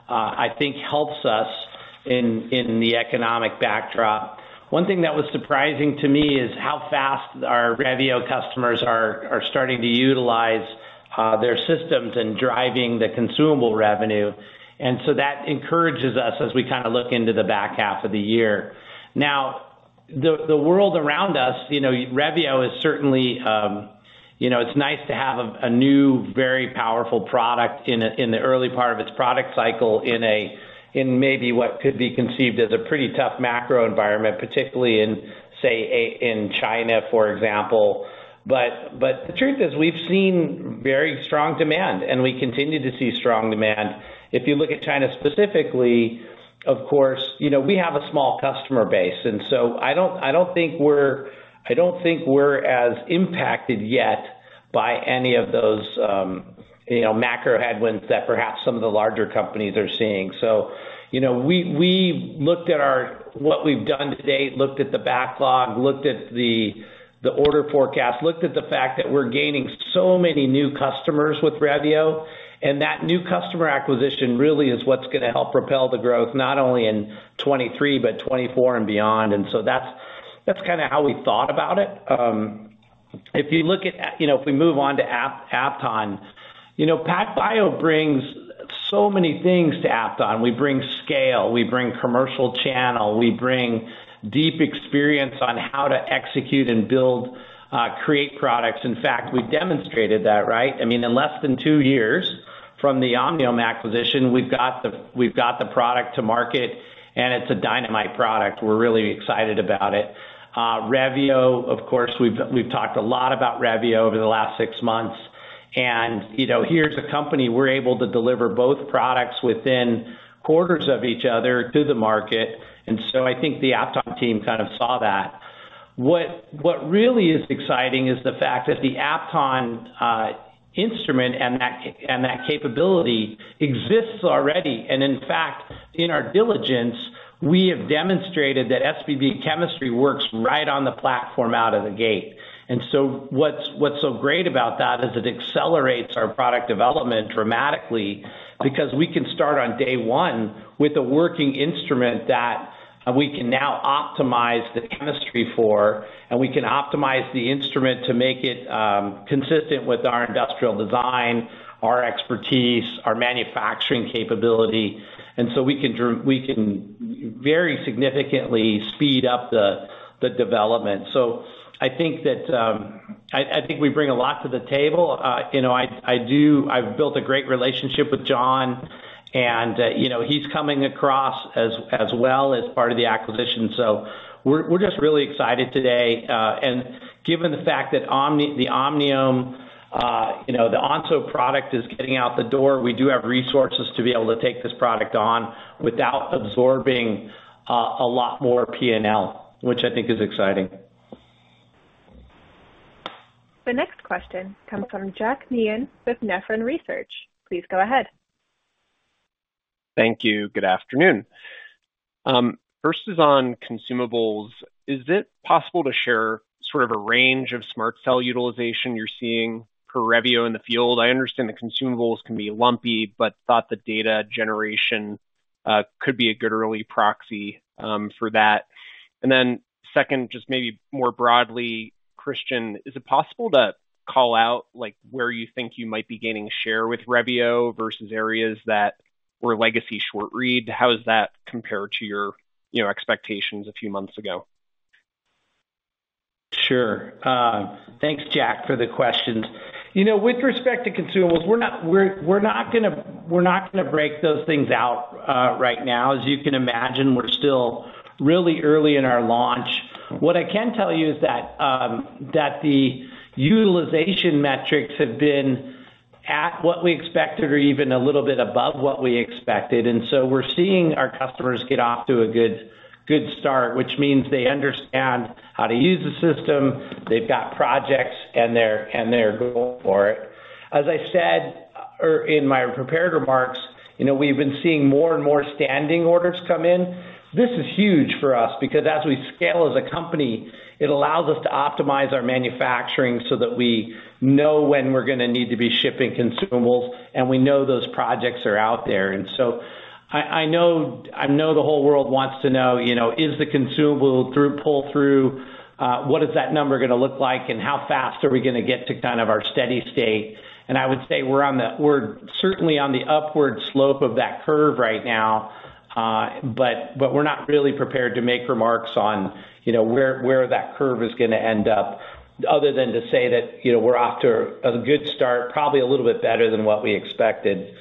I think helps us in the economic backdrop. One thing that was surprising to me is how fast our Revio customers are starting to utilize their systems and driving the consumable revenue. So that encourages us as we kind of look into the back half of the year. The, the world around us, you know, Revio is certainly, you know, it's nice to have a, a new, very powerful product in the early part of its product cycle in maybe what could be conceived as a pretty tough macro environment, particularly in, say, in China, for example. The truth is, we've seen very strong demand, and we continue to see strong demand. If you look at China specifically, of course, you know, we have a small customer base, and so I don't, I don't think we're as impacted yet by any of those, you know, macro headwinds that perhaps some of the larger companies are seeing. you know, we, we looked at what we've done to date, looked at the backlog, looked at the, the order forecast, looked at the fact that we're gaining so many new customers with Revio, and that new customer acquisition really is what's gonna help propel the growth, not only in 2023, but 2024 and beyond. That's, that's kinda how we thought about it. You know, if we move on to Apton, you know, PacBio brings so many things to Apton. We bring scale, we bring commercial channel, we bring deep experience on how to execute and build, create products. In fact, we've demonstrated that, right? I mean, in less than two years from the Omniome acquisition, we've got the, we've got the product to market, and it's a dynamite product. We're really excited about it. Revio, of course, we've, we've talked a lot about Revio over the last 6 months, and, you know, here's a company we're able to deliver both products within quarters of each other to the market, and so I think the Apton team kind of saw that. What, what really is exciting is the fact that the Apton instrument and that, and that capability exists already. In fact, in our diligence, we have demonstrated that SBB chemistry works right on the platform out of the gate. What's so great about that is, it accelerates our product development dramatically, because we can start on day 1 with a working instrument that we can now optimize the chemistry for, and we can optimize the instrument to make it consistent with our industrial design, our expertise, our manufacturing capability, and so we can very significantly speed up the development. I think that, I think we bring a lot to the table. You know, I do... I've built a great relationship with John, and, you know, he's coming across as well as part of the acquisition. We're just really excited today. Given the fact that the Omniome, you know, the Onso product is getting out the door, we do have resources to be able to take this product on without absorbing a lot more PNL, which I think is exciting. The next question comes from Jack Meehan with Nephron Research. Please go ahead. Thank you. Good afternoon. First is on consumables. Is it possible to share sort of a range of SMRT Cell utilization you're seeing per Revio in the field? I understand the consumables can be lumpy, but thought the data generation could be a good early proxy for that. Then second, just maybe more broadly, Christian, is it possible to call out, like, where you think you might be gaining share with Revio versus areas that were legacy short-read? How does that compare to your, you know, expectations a few months ago? Sure. Thanks, Jack, for the questions. You know, with respect to consumables, we're not gonna, we're not gonna break those things out right now. As you can imagine, we're still really early in our launch. What I can tell you is that the utilization metrics have been at what we expected or even a little bit above what we expected, and so we're seeing our customers get off to a good, good start, which means they understand how to use the system, they've got projects, and they're, and they're going for it. As I said, in my prepared remarks, you know, we've been seeing more and more standing orders come in. This is huge for us because as we scale as a company, it allows us to optimize our manufacturing so that we know when we're gonna need to be shipping consumables, and we know those projects are out there. I, I know, I know the whole world wants to know, you know, is the consumable pull-through, what is that number gonna look like, and how fast are we gonna get to kind of our steady state? I would say we're certainly on the upward slope of that curve right now, but we're not really prepared to make remarks on, you know, where, where that curve is gonna end up, other than to say that, you know, we're off to a good start, probably a little bit better than what we expected.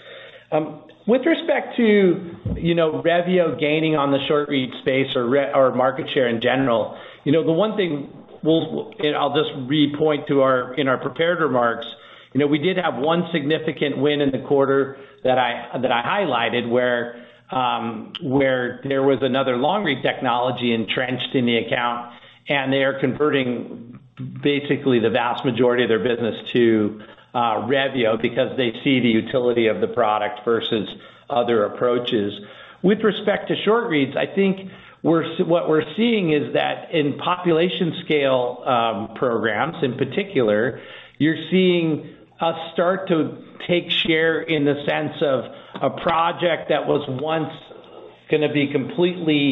With respect to, you know, Revio gaining on the short-read space or market share in general, you know, the one thing we'll... I'll just repoint to our, in our prepared remarks, you know, we did have one significant win in the quarter that I, that I highlighted, where there was another long-read technology entrenched in the account, and they are converting basically the vast majority of their business to Revio because they see the utility of the product versus other approaches. With respect to short reads, I think what we're seeing is that in population scale, programs in particular, you're seeing us start to take share in the sense of a project that was once... going to be completely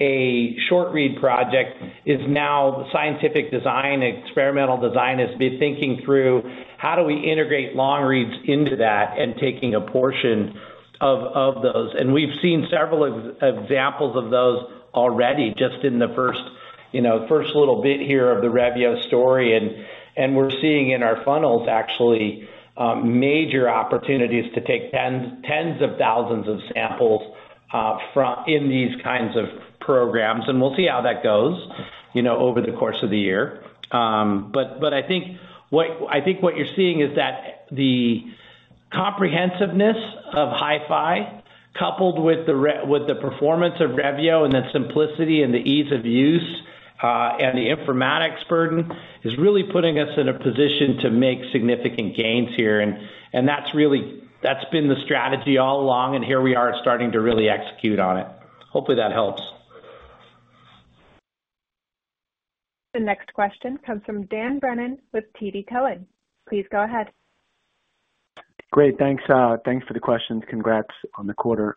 a short-read project, is now the scientific design, experimental design, is be thinking through how do we integrate long reads into that and taking a portion of, of those? We've seen several examples of those already, just in the first, you know, first little bit here of the Revio story. We're seeing in our funnels, actually, major opportunities to take tens, tens of thousands of samples from in these kinds of programs, and we'll see how that goes, you know, over the course of the year. But, but I think what I think what you're seeing is that the comprehensiveness of HiFi, coupled with the performance of Revio and the simplicity and the ease of use, and the informatics burden, is really putting us in a position to make significant gains here. That's been the strategy all along, and here we are starting to really execute on it. Hopefully, that helps. The next question comes from Dan Brennan with TD Cowen. Please go ahead. Great. Thanks, thanks for the questions. Congrats on the quarter.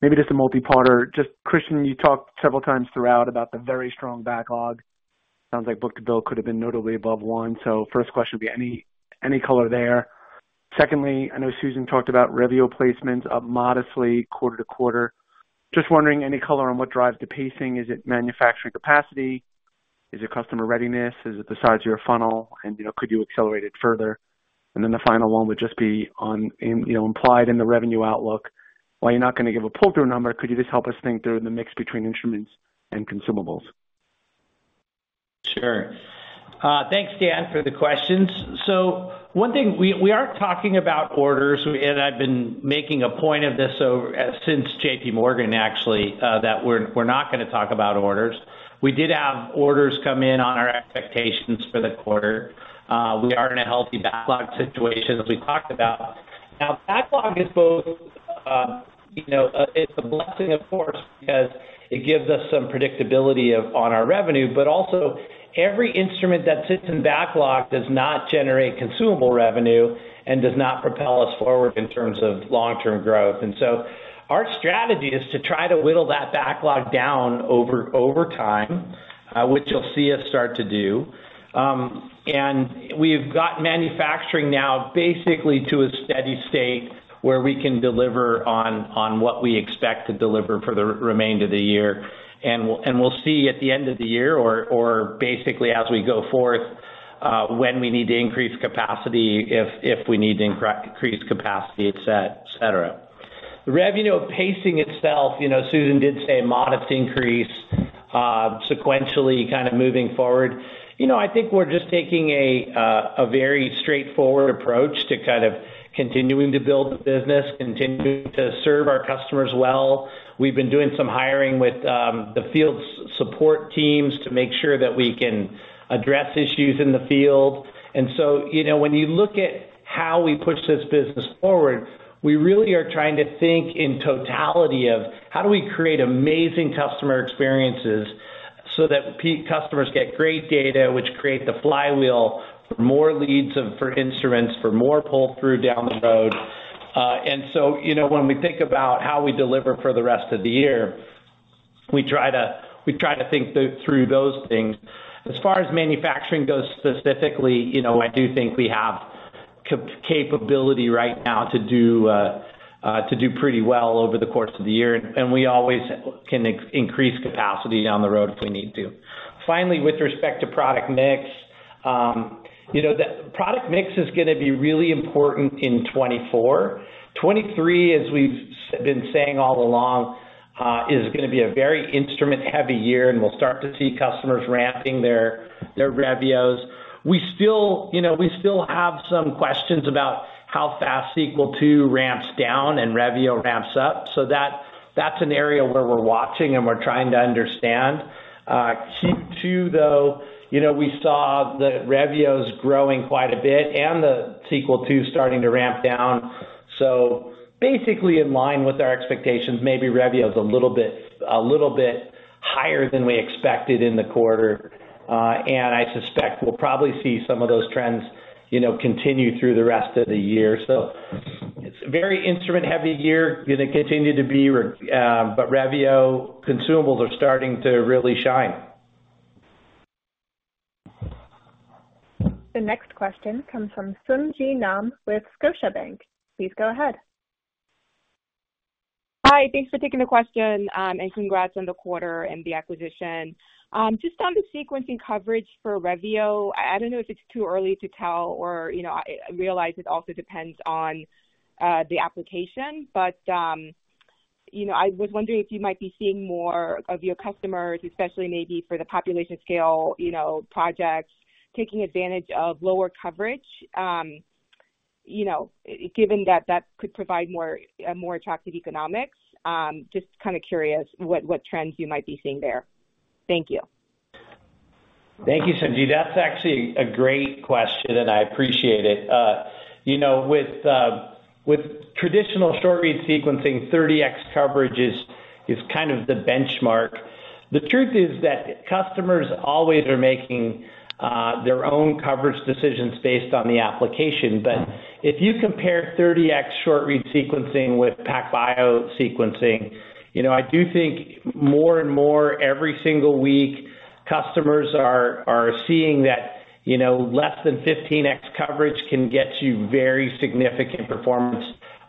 Maybe just a multi-parter. Just Christian, you talked several times throughout about the very strong backlog. Sounds like book-to-bill could have been notably above 1. First question would be any, any color there? Secondly, I know Susan talked about Revio placements up modestly quarter-over-quarter. Just wondering, any color on what drives the pacing? Is it manufacturing capacity? Is it customer readiness? Is it the size of your funnel? You know, could you accelerate it further? Then the final one would just be on, in, you know, implied in the revenue outlook. While you're not going to give a pull-through number, could you just help us think through the mix between instruments and consumables? Sure. Thanks, Dan, for the questions. One thing, we, we are talking about orders, and I've been making a point of this over, since JPMorgan, actually, that we're, we're not going to talk about orders. We did have orders come in on our expectations for the quarter. We are in a healthy backlog situation, as we talked about. Now, backlog is both, you know, it's a blessing, of course, because it gives us some predictability on our revenue, but also every instrument that sits in backlog does not generate consumable revenue and does not propel us forward in terms of long-term growth. Our strategy is to try to whittle that backlog down over, over time, which you'll see us start to do. And we've got manufacturing now basically to a steady state, where we can deliver on, on what we expect to deliver for the remainder of the year. And we'll see at the end of the year or, or basically as we go forth, when we need to increase capacity, if, if we need to increase capacity, et cetera. The Revio pacing itself, you know, Susan did say a modest increase, sequentially, kind of moving forward. You know, I think we're just taking a, a very straightforward approach to kind of continuing to build the business, continuing to serve our customers well. We've been doing some hiring with, the field support teams to make sure that we can address issues in the field. You know, when you look at how we push this business forward, we really are trying to think in totality of how do we create amazing customer experiences so that customers get great data, which create the flywheel for more leads for instruments, for more pull-through down the road. You know, when we think about how we deliver for the rest of the year, we try to think through those things. As far as manufacturing goes, specifically, you know, I do think we have capability right now to do pretty well over the course of the year, and we always can increase capacity down the road if we need to. Finally, with respect to product mix, you know, the product mix is going to be really important in 2024. 2023, as we've been saying all along, is going to be a very instrument-heavy year, we'll start to see customers ramping their, their Revios. We still, you know, we still have some questions about how fast Sequel II ramps down and Revio ramps up, that, that's an area where we're watching and we're trying to understand. Q2, though, you know, we saw the Revios growing quite a bit and the Sequel II starting to ramp down, basically in line with our expectations, maybe Revio is a little bit, a little bit higher than we expected in the quarter. I suspect we'll probably see some of those trends, you know, continue through the rest of the year. It's a very instrument-heavy year, going to continue to be, Revio consumables are starting to really shine. The next question comes from Sung Ji Nam with Scotiabank. Please go ahead. Hi, thanks for taking the question, and congrats on the quarter and the acquisition. Just on the sequencing coverage for Revio, I, I don't know if it's too early to tell or, you know, I, I realize it also depends on the application, but, you know, I was wondering if you might be seeing more of your customers, especially maybe for the population scale, you know, projects, taking advantage of lower coverage, you know, given that that could provide more attractive economics? Just kind of curious what, what trends you might be seeing there. Thank you. Thank you, Sung Ji. That's actually a great question, and I appreciate it. You know, with traditional short-read sequencing, 30X coverage is, is kind of the benchmark. The truth is that customers always are making their own coverage decisions based on the application. If you compare 30X short-read sequencing with PacBio sequencing, you know, I do think more and more every single week, customers are, are seeing that, you know, less than 15X coverage can get you very significant performance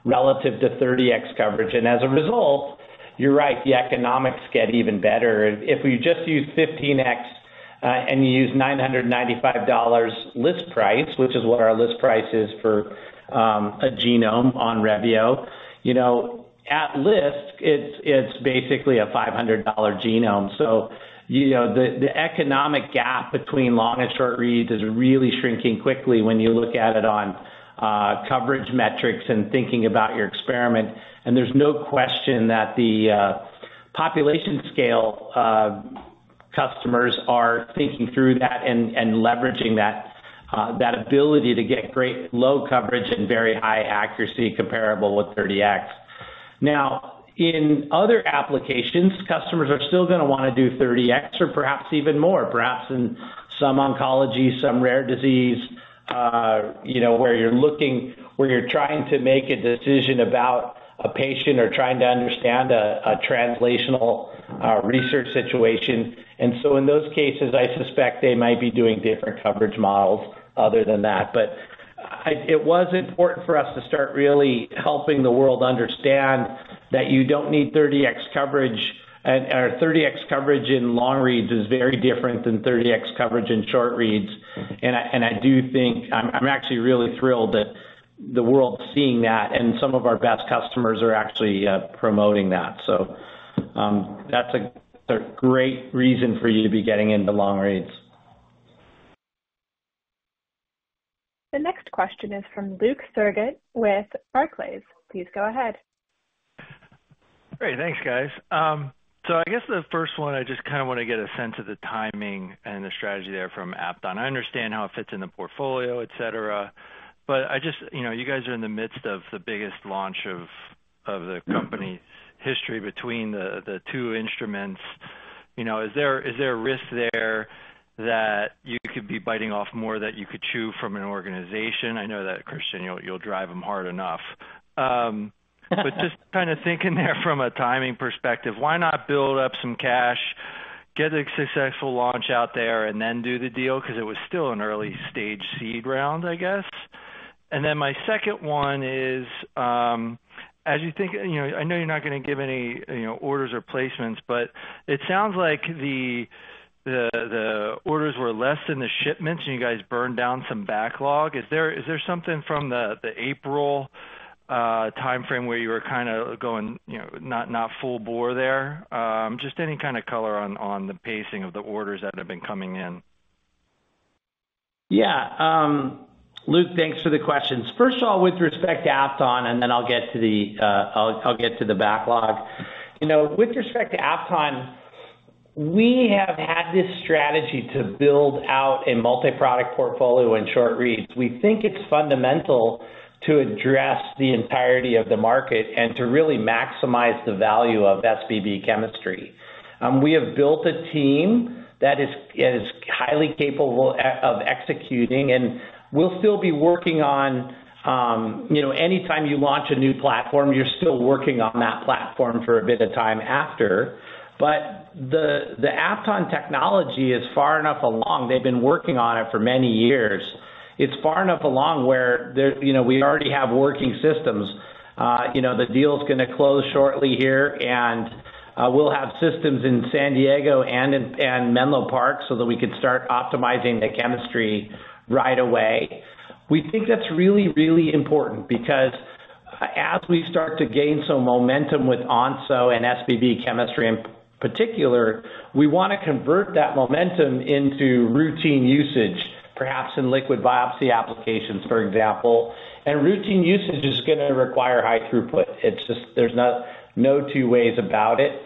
relative to 30X coverage. As a result, you're right, the economics get even better. If we just use 15X, and you use $995 list price, which is what our list price is for, a genome on Revio, you know, at list, it's, it's basically a $500 genome. You know, the, the economic gap between long and short reads is really shrinking quickly when you look at it on coverage metrics and thinking about your experiment. There's no question that the population scale customers are thinking through that and leveraging that ability to get great low coverage and very high accuracy comparable with 30x. Now, in other applications, customers are still gonna wanna do 30x or perhaps even more, perhaps in some oncology, some rare disease, you know, where you're trying to make a decision about a patient or trying to understand a translational research situation. In those cases, I suspect they might be doing different coverage models other than that. It was important for us to start really helping the world understand that you don't need 30 X coverage, and, or 30 X coverage in long reads is very different than 30 X coverage in short reads. I do think, I'm actually really thrilled that the world's seeing that, and some of our best customers are actually promoting that. That's a great reason for you to be getting into long reads. The next question is from Luke Sergott with Barclays. Please go ahead. Great. Thanks, guys. I guess the first one, I just kind of wanna get a sense of the timing and the strategy there from Apton. I understand how it fits in the portfolio, et cetera, I just, you know, you guys are in the midst of the biggest launch of the company's history between the two instruments. You know, is there a risk there that you could be biting off more than you could chew from an organization? I know that, Christian, you know, you'll drive them hard enough. Just kind of thinking there from a timing perspective, why not build up some cash, get a successful launch out there, and then do the deal? It was still an early-stage seed round, I guess. My second one is, as you think, you know, I know you're not gonna give any, you know, orders or placements, but it sounds like the orders were less than the shipments, and you guys burned down some backlog. Is there, is there something from the April time frame where you were kind of going, you know, not, not full bore there? Just any kind of color on the pacing of the orders that have been coming in. Yeah. Luke, thanks for the questions. First of all, with respect to Apton, and then I'll get to the, I'll, I'll get to the backlog. You know, with respect to Apton, we have had this strategy to build out a multi-product portfolio in short reads. We think it's fundamental to address the entirety of the market and to really maximize the value of SBB chemistry. We have built a team that is, is highly capable of, of executing, and we'll still be working on. You know, anytime you launch a new platform, you're still working on that platform for a bit of time after. But the, the Apton technology is far enough along. They've been working on it for many years. It's far enough along where there, you know, we already have working systems. You know, the deal's gonna close shortly here, we'll have systems in San Diego and in Menlo Park, so that we can start optimizing the chemistry right away. We think that's really, really important because, as we start to gain some momentum with Onso and SBB chemistry, in particular, we wanna convert that momentum into routine usage, perhaps in liquid biopsy applications, for example. Routine usage is gonna require high throughput. It's just there's not no two ways about it.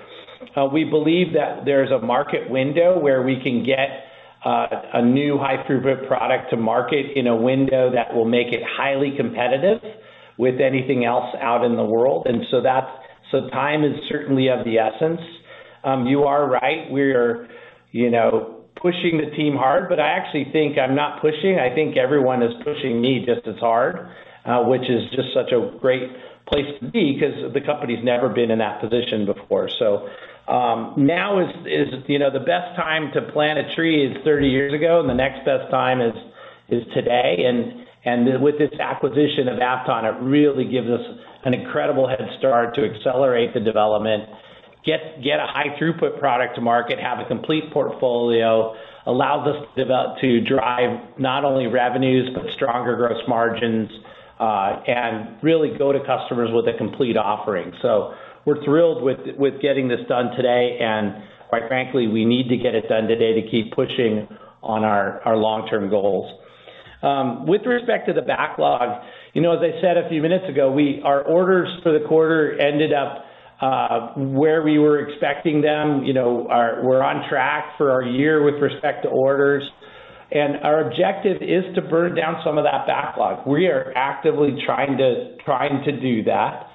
We believe that there's a market window where we can get a new high throughput product to market in a window that will make it highly competitive with anything else out in the world. Time is certainly of the essence. You are right, we're, you know, pushing the team hard, but I actually think I'm not pushing. I think everyone is pushing me just as hard, which is just such a great place to be, because the company's never been in that position before. Now, you know, the best time to plant a tree is 30 years ago, and the next best time is today. With this acquisition of Apton, it really gives us an incredible head start to accelerate the development, get, get a high-throughput product to market, have a complete portfolio, allows us to drive not only revenues, but stronger gross margins, and really go to customers with a complete offering. We're thrilled with, with getting this done today, and quite frankly, we need to get it done today to keep pushing on our, our long-term goals. With respect to the backlog, you know, as I said a few minutes ago, our orders for the quarter ended up where we were expecting them. You know, we're on track for our year with respect to orders. Our objective is to burn down some of that backlog. We are actively trying to, trying to do that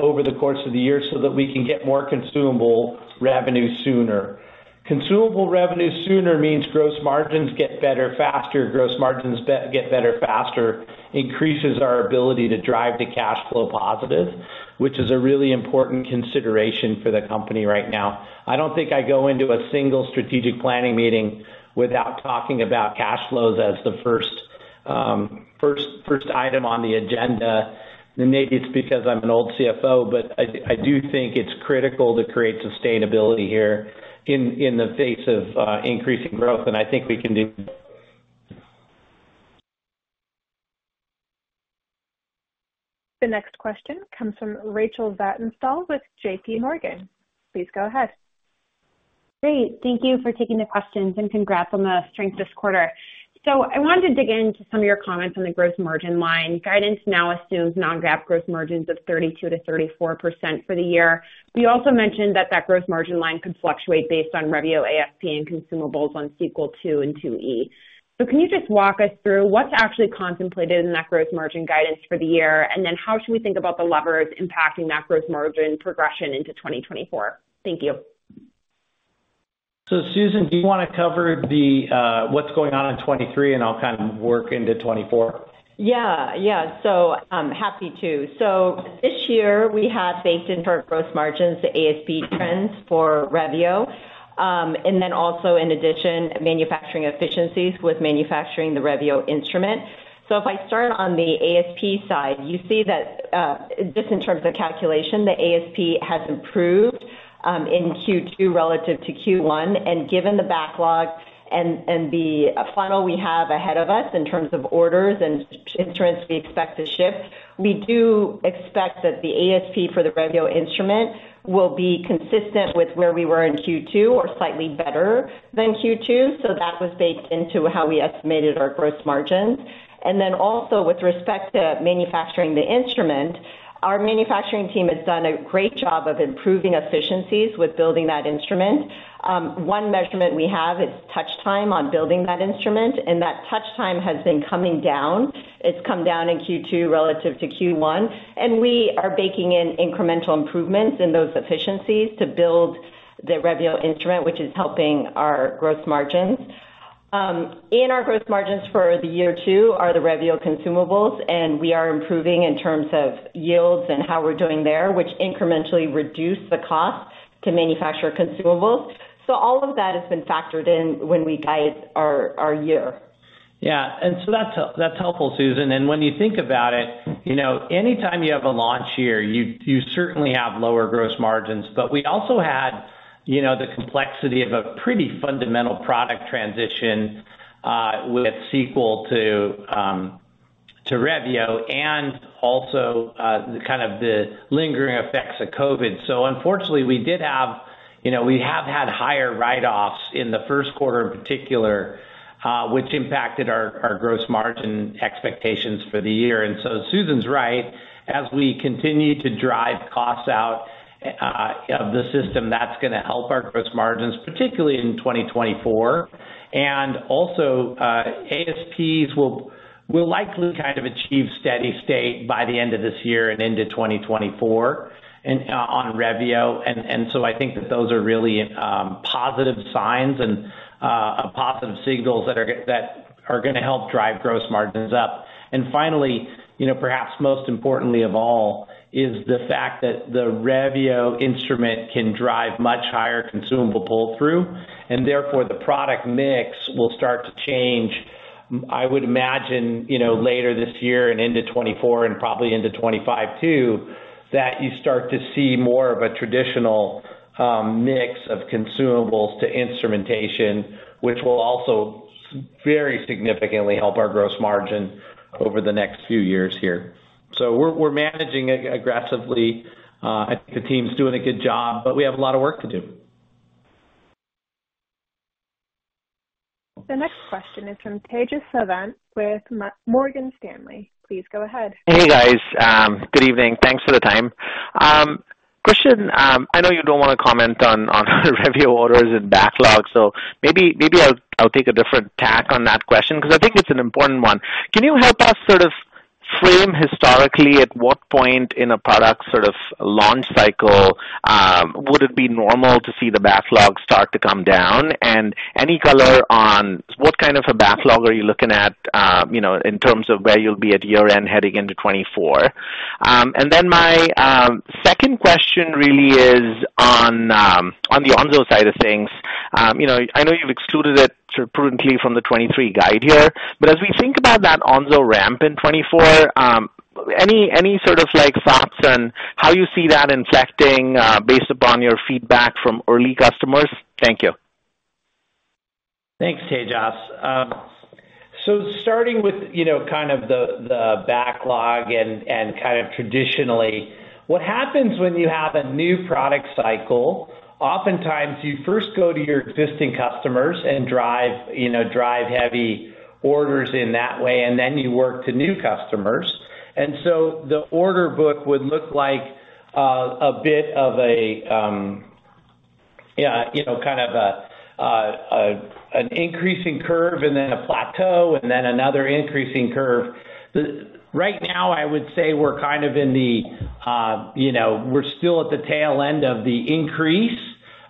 over the course of the year so that we can get more consumable revenue sooner. Consumable revenue sooner means gross margins get better faster. Gross margins get better faster increases our ability to drive to cash flow positive, which is a really important consideration for the company right now. I don't think I go into a single strategic planning meeting without talking about cash flows as the first, first, first item on the agenda. Maybe it's because I'm an old CFO, but I, I do think it's critical to create sustainability here in, in the face of increasing growth, and I think we can do. The next question comes from Rachel Vatnsdal with JPMorgan. Please go ahead. Great. Thank you for taking the questions, and congrats on the strength this quarter. I wanted to dig into some of your comments on the gross margin line. Guidance now assumes non-GAAP gross margins of 32%-34% for the year. You also mentioned that that gross margin line could fluctuate based on Revio ASP and consumables on Sequel II and IIe. Can you just walk us through what's actually contemplated in that gross margin guidance for the year? Then how should we think about the levers impacting that gross margin progression into 2024? Thank you. Susan, do you want to cover the, what's going on in 2023, and I'll kind of work into 2024? Yeah. Yeah. Happy to. This year, we have baked in for gross margins, the ASP trends for Revio. Also in addition, manufacturing efficiencies with manufacturing the Revio instrument. If I start on the ASP side, you see that, just in terms of calculation, the ASP has improved, in Q2 relative to Q1. Given the backlog and, and the funnel we have ahead of us in terms of orders and instruments we expect to ship, we do expect that the ASP for the Revio instrument will be consistent with where we were in Q2, or slightly better than Q2. That was baked into how we estimated our gross margins. Also with respect to manufacturing the instrument, our manufacturing team has done a great job of improving efficiencies with building that instrument. One measurement we have is touch time on building that instrument, and that touch time has been coming down. It's come down in Q2 relative to Q1, and we are baking in incremental improvements in those efficiencies to build the Revio instrument, which is helping our gross margins. In our gross margins for the year 2 are the Revio consumables, and we are improving in terms of yields and how we're doing there, which incrementally reduce the cost to manufacture consumables. All of that has been factored in when we guide our, our year. Yeah, so that's, that's helpful, Susan. When you think about it, you know, anytime you have a launch year, you, you certainly have lower gross margins. We also had, you know, the complexity of a pretty fundamental product transition with Sequel to Revio and also kind of the lingering effects of COVID. Unfortunately, we did have... You know, we have had higher write-offs in the 1st quarter in particular, which impacted our gross margin expectations for the year. Susan's right. As we continue to drive costs out of the system, that's going to help our gross margins, particularly in 2024. Also, ASPs will, will likely kind of achieve steady state by the end of this year and into 2024, in on Revio. So I think that those are really positive signs and positive signals that are going to help drive gross margins up. Finally, you know, perhaps most importantly of all, is the fact that the Revio instrument can drive much higher consumable pull-through, and therefore, the product mix will start to change. I would imagine, you know, later this year and into 2024 and probably into 2025, too, that you start to see more of a traditional mix of consumables to instrumentation, which will also very significantly help our gross margin over the next few years here. We're, we're managing it aggressively. I think the team's doing a good job, but we have a lot of work to do. The next question is from Tejas Savant with Morgan Stanley. Please go ahead. Hey, guys, good evening. Thanks for the time. Question, I know you don't want to comment on Revio orders and backlogs, maybe, maybe I'll, I'll take a different tack on that question, because I think it's an important one. Can you help us sort of frame historically, at what point in a product sort of launch cycle, would it be normal to see the backlog start to come down? Any color on what kind of a backlog are you looking at, you know, in terms of where you'll be at year-end heading into 2024? Then my second question really is on the Onso side of things. You know, I know you've excluded it sort of prudently from the 2023 guide here, but as we think about that Onso ramp in 2024, any, any sort of like thoughts on how you see that infecting, based upon your feedback from early customers? Thank you. Thanks, Tejas. So starting with, you know, kind of the, the backlog and, and kind of traditionally, what happens when you have a new product cycle, oftentimes you first go to your existing customers and drive, you know, drive heavy orders in that way, and then you work to new customers. So the order book would look like a bit of a... Yeah, you know, kind of an increasing curve and then a plateau, and then another increasing curve. Right now, I would say we're kind of in the, you know, we're still at the tail end of the increase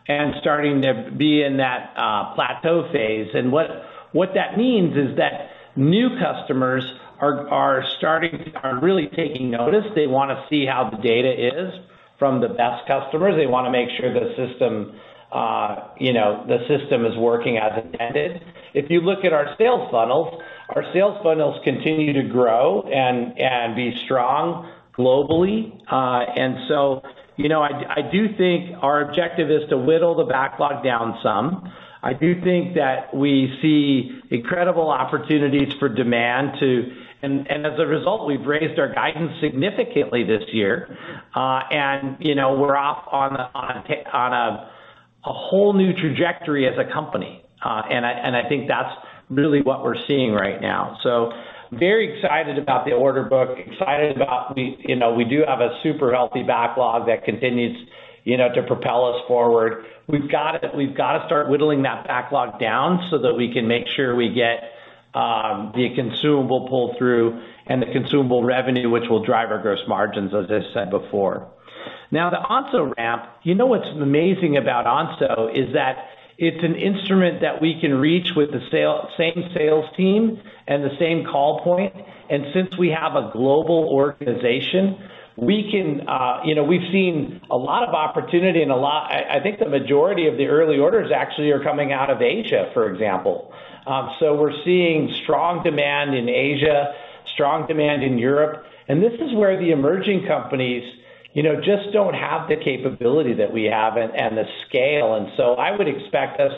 and starting to be in that plateau phase. What that means is that new customers are starting, are really taking notice. They wanna see how the data is from the best customers. They wanna make sure the system, you know, the system is working as intended. If you look at our sales funnels, our sales funnels continue to grow and, and be strong globally. You know, I, I do think our objective is to whittle the backlog down some. I do think that we see incredible opportunities for demand to... As a result, we've raised our guidance significantly this year. You know, we're off on a, on a, on a, a whole new trajectory as a company. I, and I think that's really what we're seeing right now. Very excited about the order book, excited about, we, you know, we do have a super healthy backlog that continues, you know, to propel us forward. We've gotta, we've gotta start whittling that backlog down so that we can make sure we get the consumable pull-through and the consumable revenue, which will drive our gross margins, as I said before. Now, the Onso ramp, you know, what's amazing about Onso is that it's an instrument that we can reach with the same sales team and the same call point. Since we have a global organization, we can, you know, we've seen a lot of opportunity and I think the majority of the early orders actually are coming out of Asia, for example. We're seeing strong demand in Asia, strong demand in Europe, and this is where the emerging companies, you know, just don't have the capability that we have and the scale. I would expect us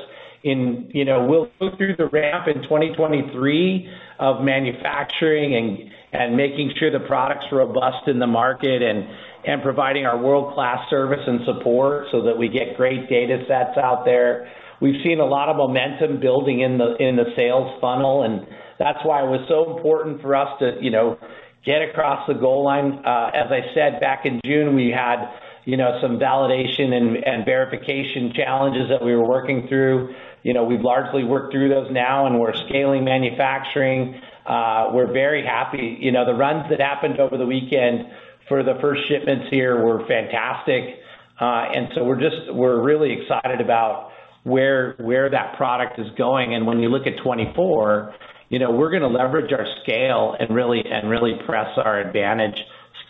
in. You know, we'll go through the ramp in 2023 of manufacturing and, and making sure the product's robust in the market and, and providing our world-class service and support so that we get great data sets out there. We've seen a lot of momentum building in the, in the sales funnel, and that's why it was so important for us to, you know, get across the goal line. As I said, back in June, we had, you know, some validation and, and verification challenges that we were working through. You know, we've largely worked through those now, and we're scaling manufacturing. We're very happy. You know, the runs that happened over the weekend for the first shipments here were fantastic. We're really excited about where, where that product is going. When you look at 2024, you know, we're gonna leverage our scale and really, and really press our advantage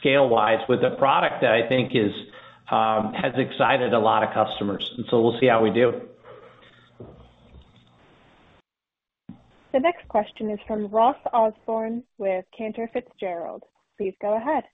scale-wise with a product that I think is has excited a lot of customers, and so we'll see how we do. The next question is from Ross Osborn with Cantor Fitzgerald. Please go ahead.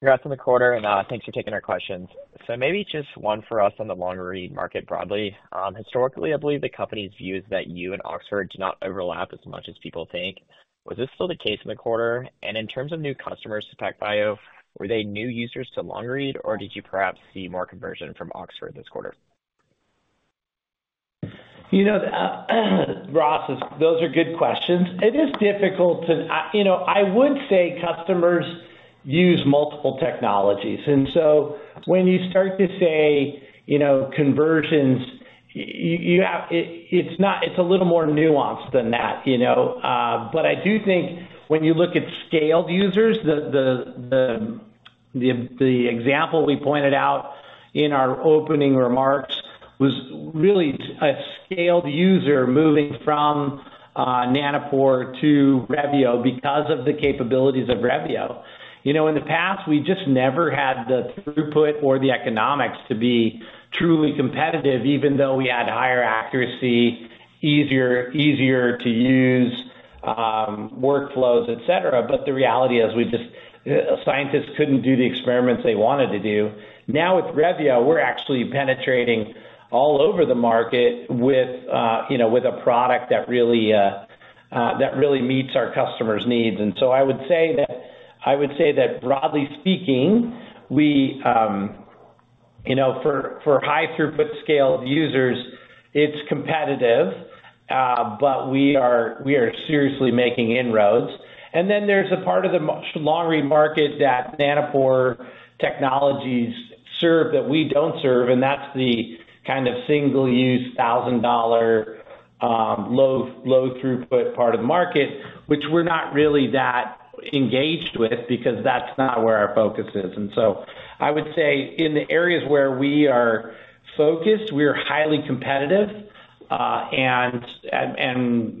Congrats on the quarter, thanks for taking our questions. Maybe just one for us on the long-read market broadly. Historically, I believe the company's view is that you and Oxford do not overlap as much as people think. Was this still the case in the quarter? In terms of new customers to PacBio, were they new users to long-read, or did you perhaps see more conversion from Oxford this quarter? You know, Ross, those are good questions. It is difficult to, you know, I would say customers use multiple technologies, and so when you start to say, you know, conversions, you, you have. It's not, it's a little more nuanced than that, you know? I do think when you look at scaled users, the example we pointed out in our opening remarks was really a scaled user moving from Nanopore to Revio because of the capabilities of Revio. You know, in the past, we just never had the throughput or the economics to be truly competitive, even though we had higher accuracy, easier, easier to use, workflows, et cetera. The reality is, we just, scientists couldn't do the experiments they wanted to do. Now, with Revio, we're actually penetrating all over the market with, you know, with a product that really, that really meets our customers' needs. I would say that, I would say that, broadly speaking, we, you know, for, for high-throughput scaled users, it's competitive, but we are, we are seriously making inroads. There's a part of the long-read market that Nanopore Technologies serve that we don't serve, and that's the kind of single-use, 1,000-dollar, low, low throughput part of the market, which we're not really that engaged with because that's not where our focus is. I would say, in the areas where we are focused, we are highly competitive, and,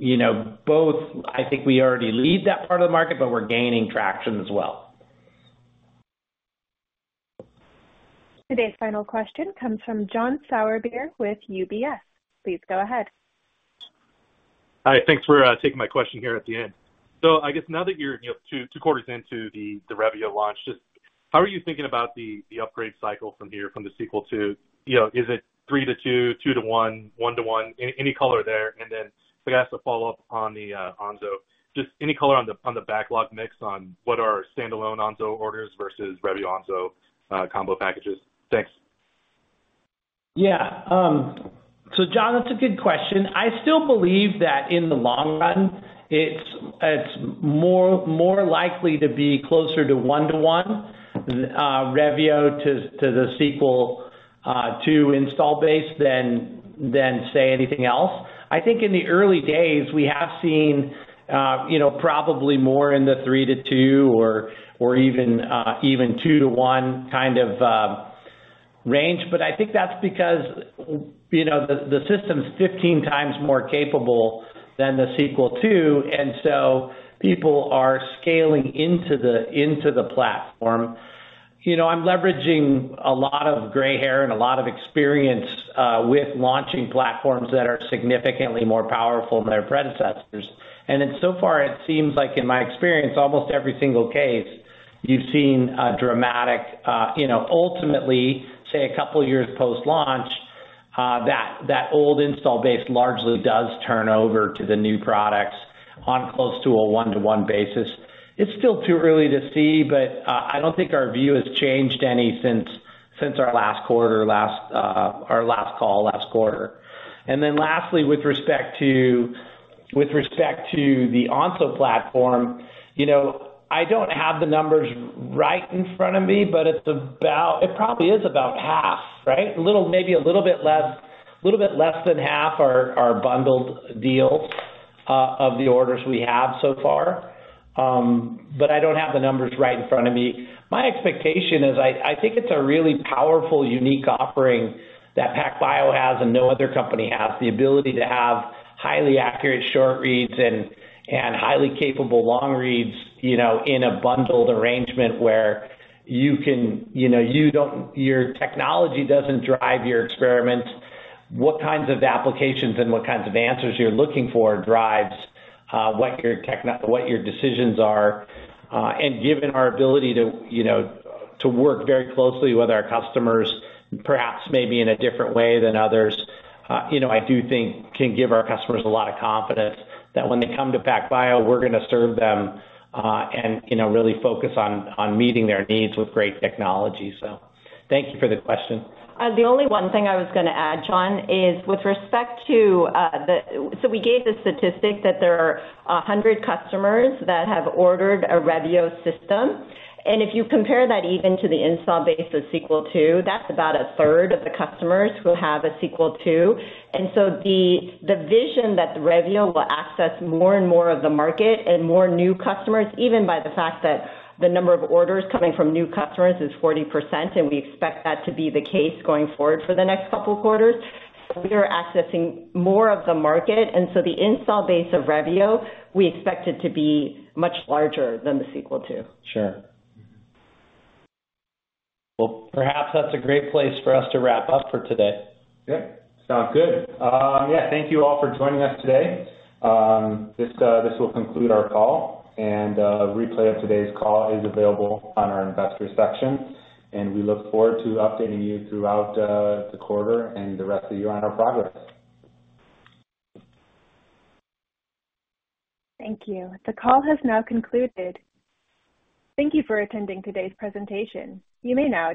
you know, both I think we already lead that part of the market, but we're gaining traction as well. Today's final question comes from John Sourbeer with UBS. Please go ahead. Hi, thanks for taking my question here at the end. I guess now that you're, you know, 2, 2 quarters into the Revio launch, just how are you thinking about the, the upgrade cycle from here, from the Sequel to... You know, is it 3 to 2, 2 to 1, 1 to 1? Any, any color there. And then I guess a follow-up on the Onso: Just any color on the, on the backlog mix on what are standalone Onso orders versus Revio Onso combo packages? Thanks. John, that's a good question. I still believe that in the long run, it's, it's more, more likely to be closer to 1 to 1 Revio to the Sequel II install base than, say, anything else. I think in the early days, we have seen, you know, probably more in the 3 to 2 or even 2 to 1 kind of range, but I think that's because, you know, the system's 15 times more capable than the Sequel II, and so people are scaling into the platform. You know, I'm leveraging a lot of gray hair and a lot of experience with launching platforms that are significantly more powerful than their predecessors. So far, it seems like in my experience, almost every single case, you've seen a dramatic... You know, ultimately, say, a couple of years post-launch, that, that old install base largely does turn over to the new products on close to a one-to-one basis. It's still too early to see, but I don't think our view has changed any since, since our last quarter, last, our last call, last quarter. Lastly, with respect to, with respect to the Onso platform, you know, I don't have the numbers right in front of me, but it probably is about half, right? A little, maybe a little bit less, a little bit less than half are bundled deals of the orders we have so far. But I don't have the numbers right in front of me. My expectation is, I, I think it's a really powerful, unique offering that PacBio has and no other company has, the ability to have highly accurate short reads and, and highly capable long reads, you know, in a bundled arrangement where you can. You know, your technology doesn't drive your experiment. What kinds of applications and what kinds of answers you're looking for drives what your decisions are. Given our ability to, you know, to work very closely with our customers, perhaps maybe in a different way than others, you know, I do think can give our customers a lot of confidence that when they come to PacBio, we're going to serve them, and, you know, really focus on, on meeting their needs with great technology. Thank you for the question. The only one thing I was going to add, John, is with respect to the. We gave the statistic that there are 100 customers that have ordered a Revio system. If you compare that even to the install base of Sequel II, that's about a third of the customers who have a Sequel II. The, the vision that the Revio will access more and more of the market and more new customers, even by the fact that the number of orders coming from new customers is 40%, and we expect that to be the case going forward for the next couple of quarters. We are accessing more of the market, and so the install base of Revio, we expect it to be much larger than the Sequel II. Sure. Well, perhaps that's a great place for us to wrap up for today. Yeah, sounds good. Yeah, thank you all for joining us today. This, this will conclude our call, and a replay of today's call is available on our investor section, and we look forward to updating you throughout the quarter and the rest of the year on our progress. Thank you. The call has now concluded. Thank you for attending today's presentation. You may now disconnect.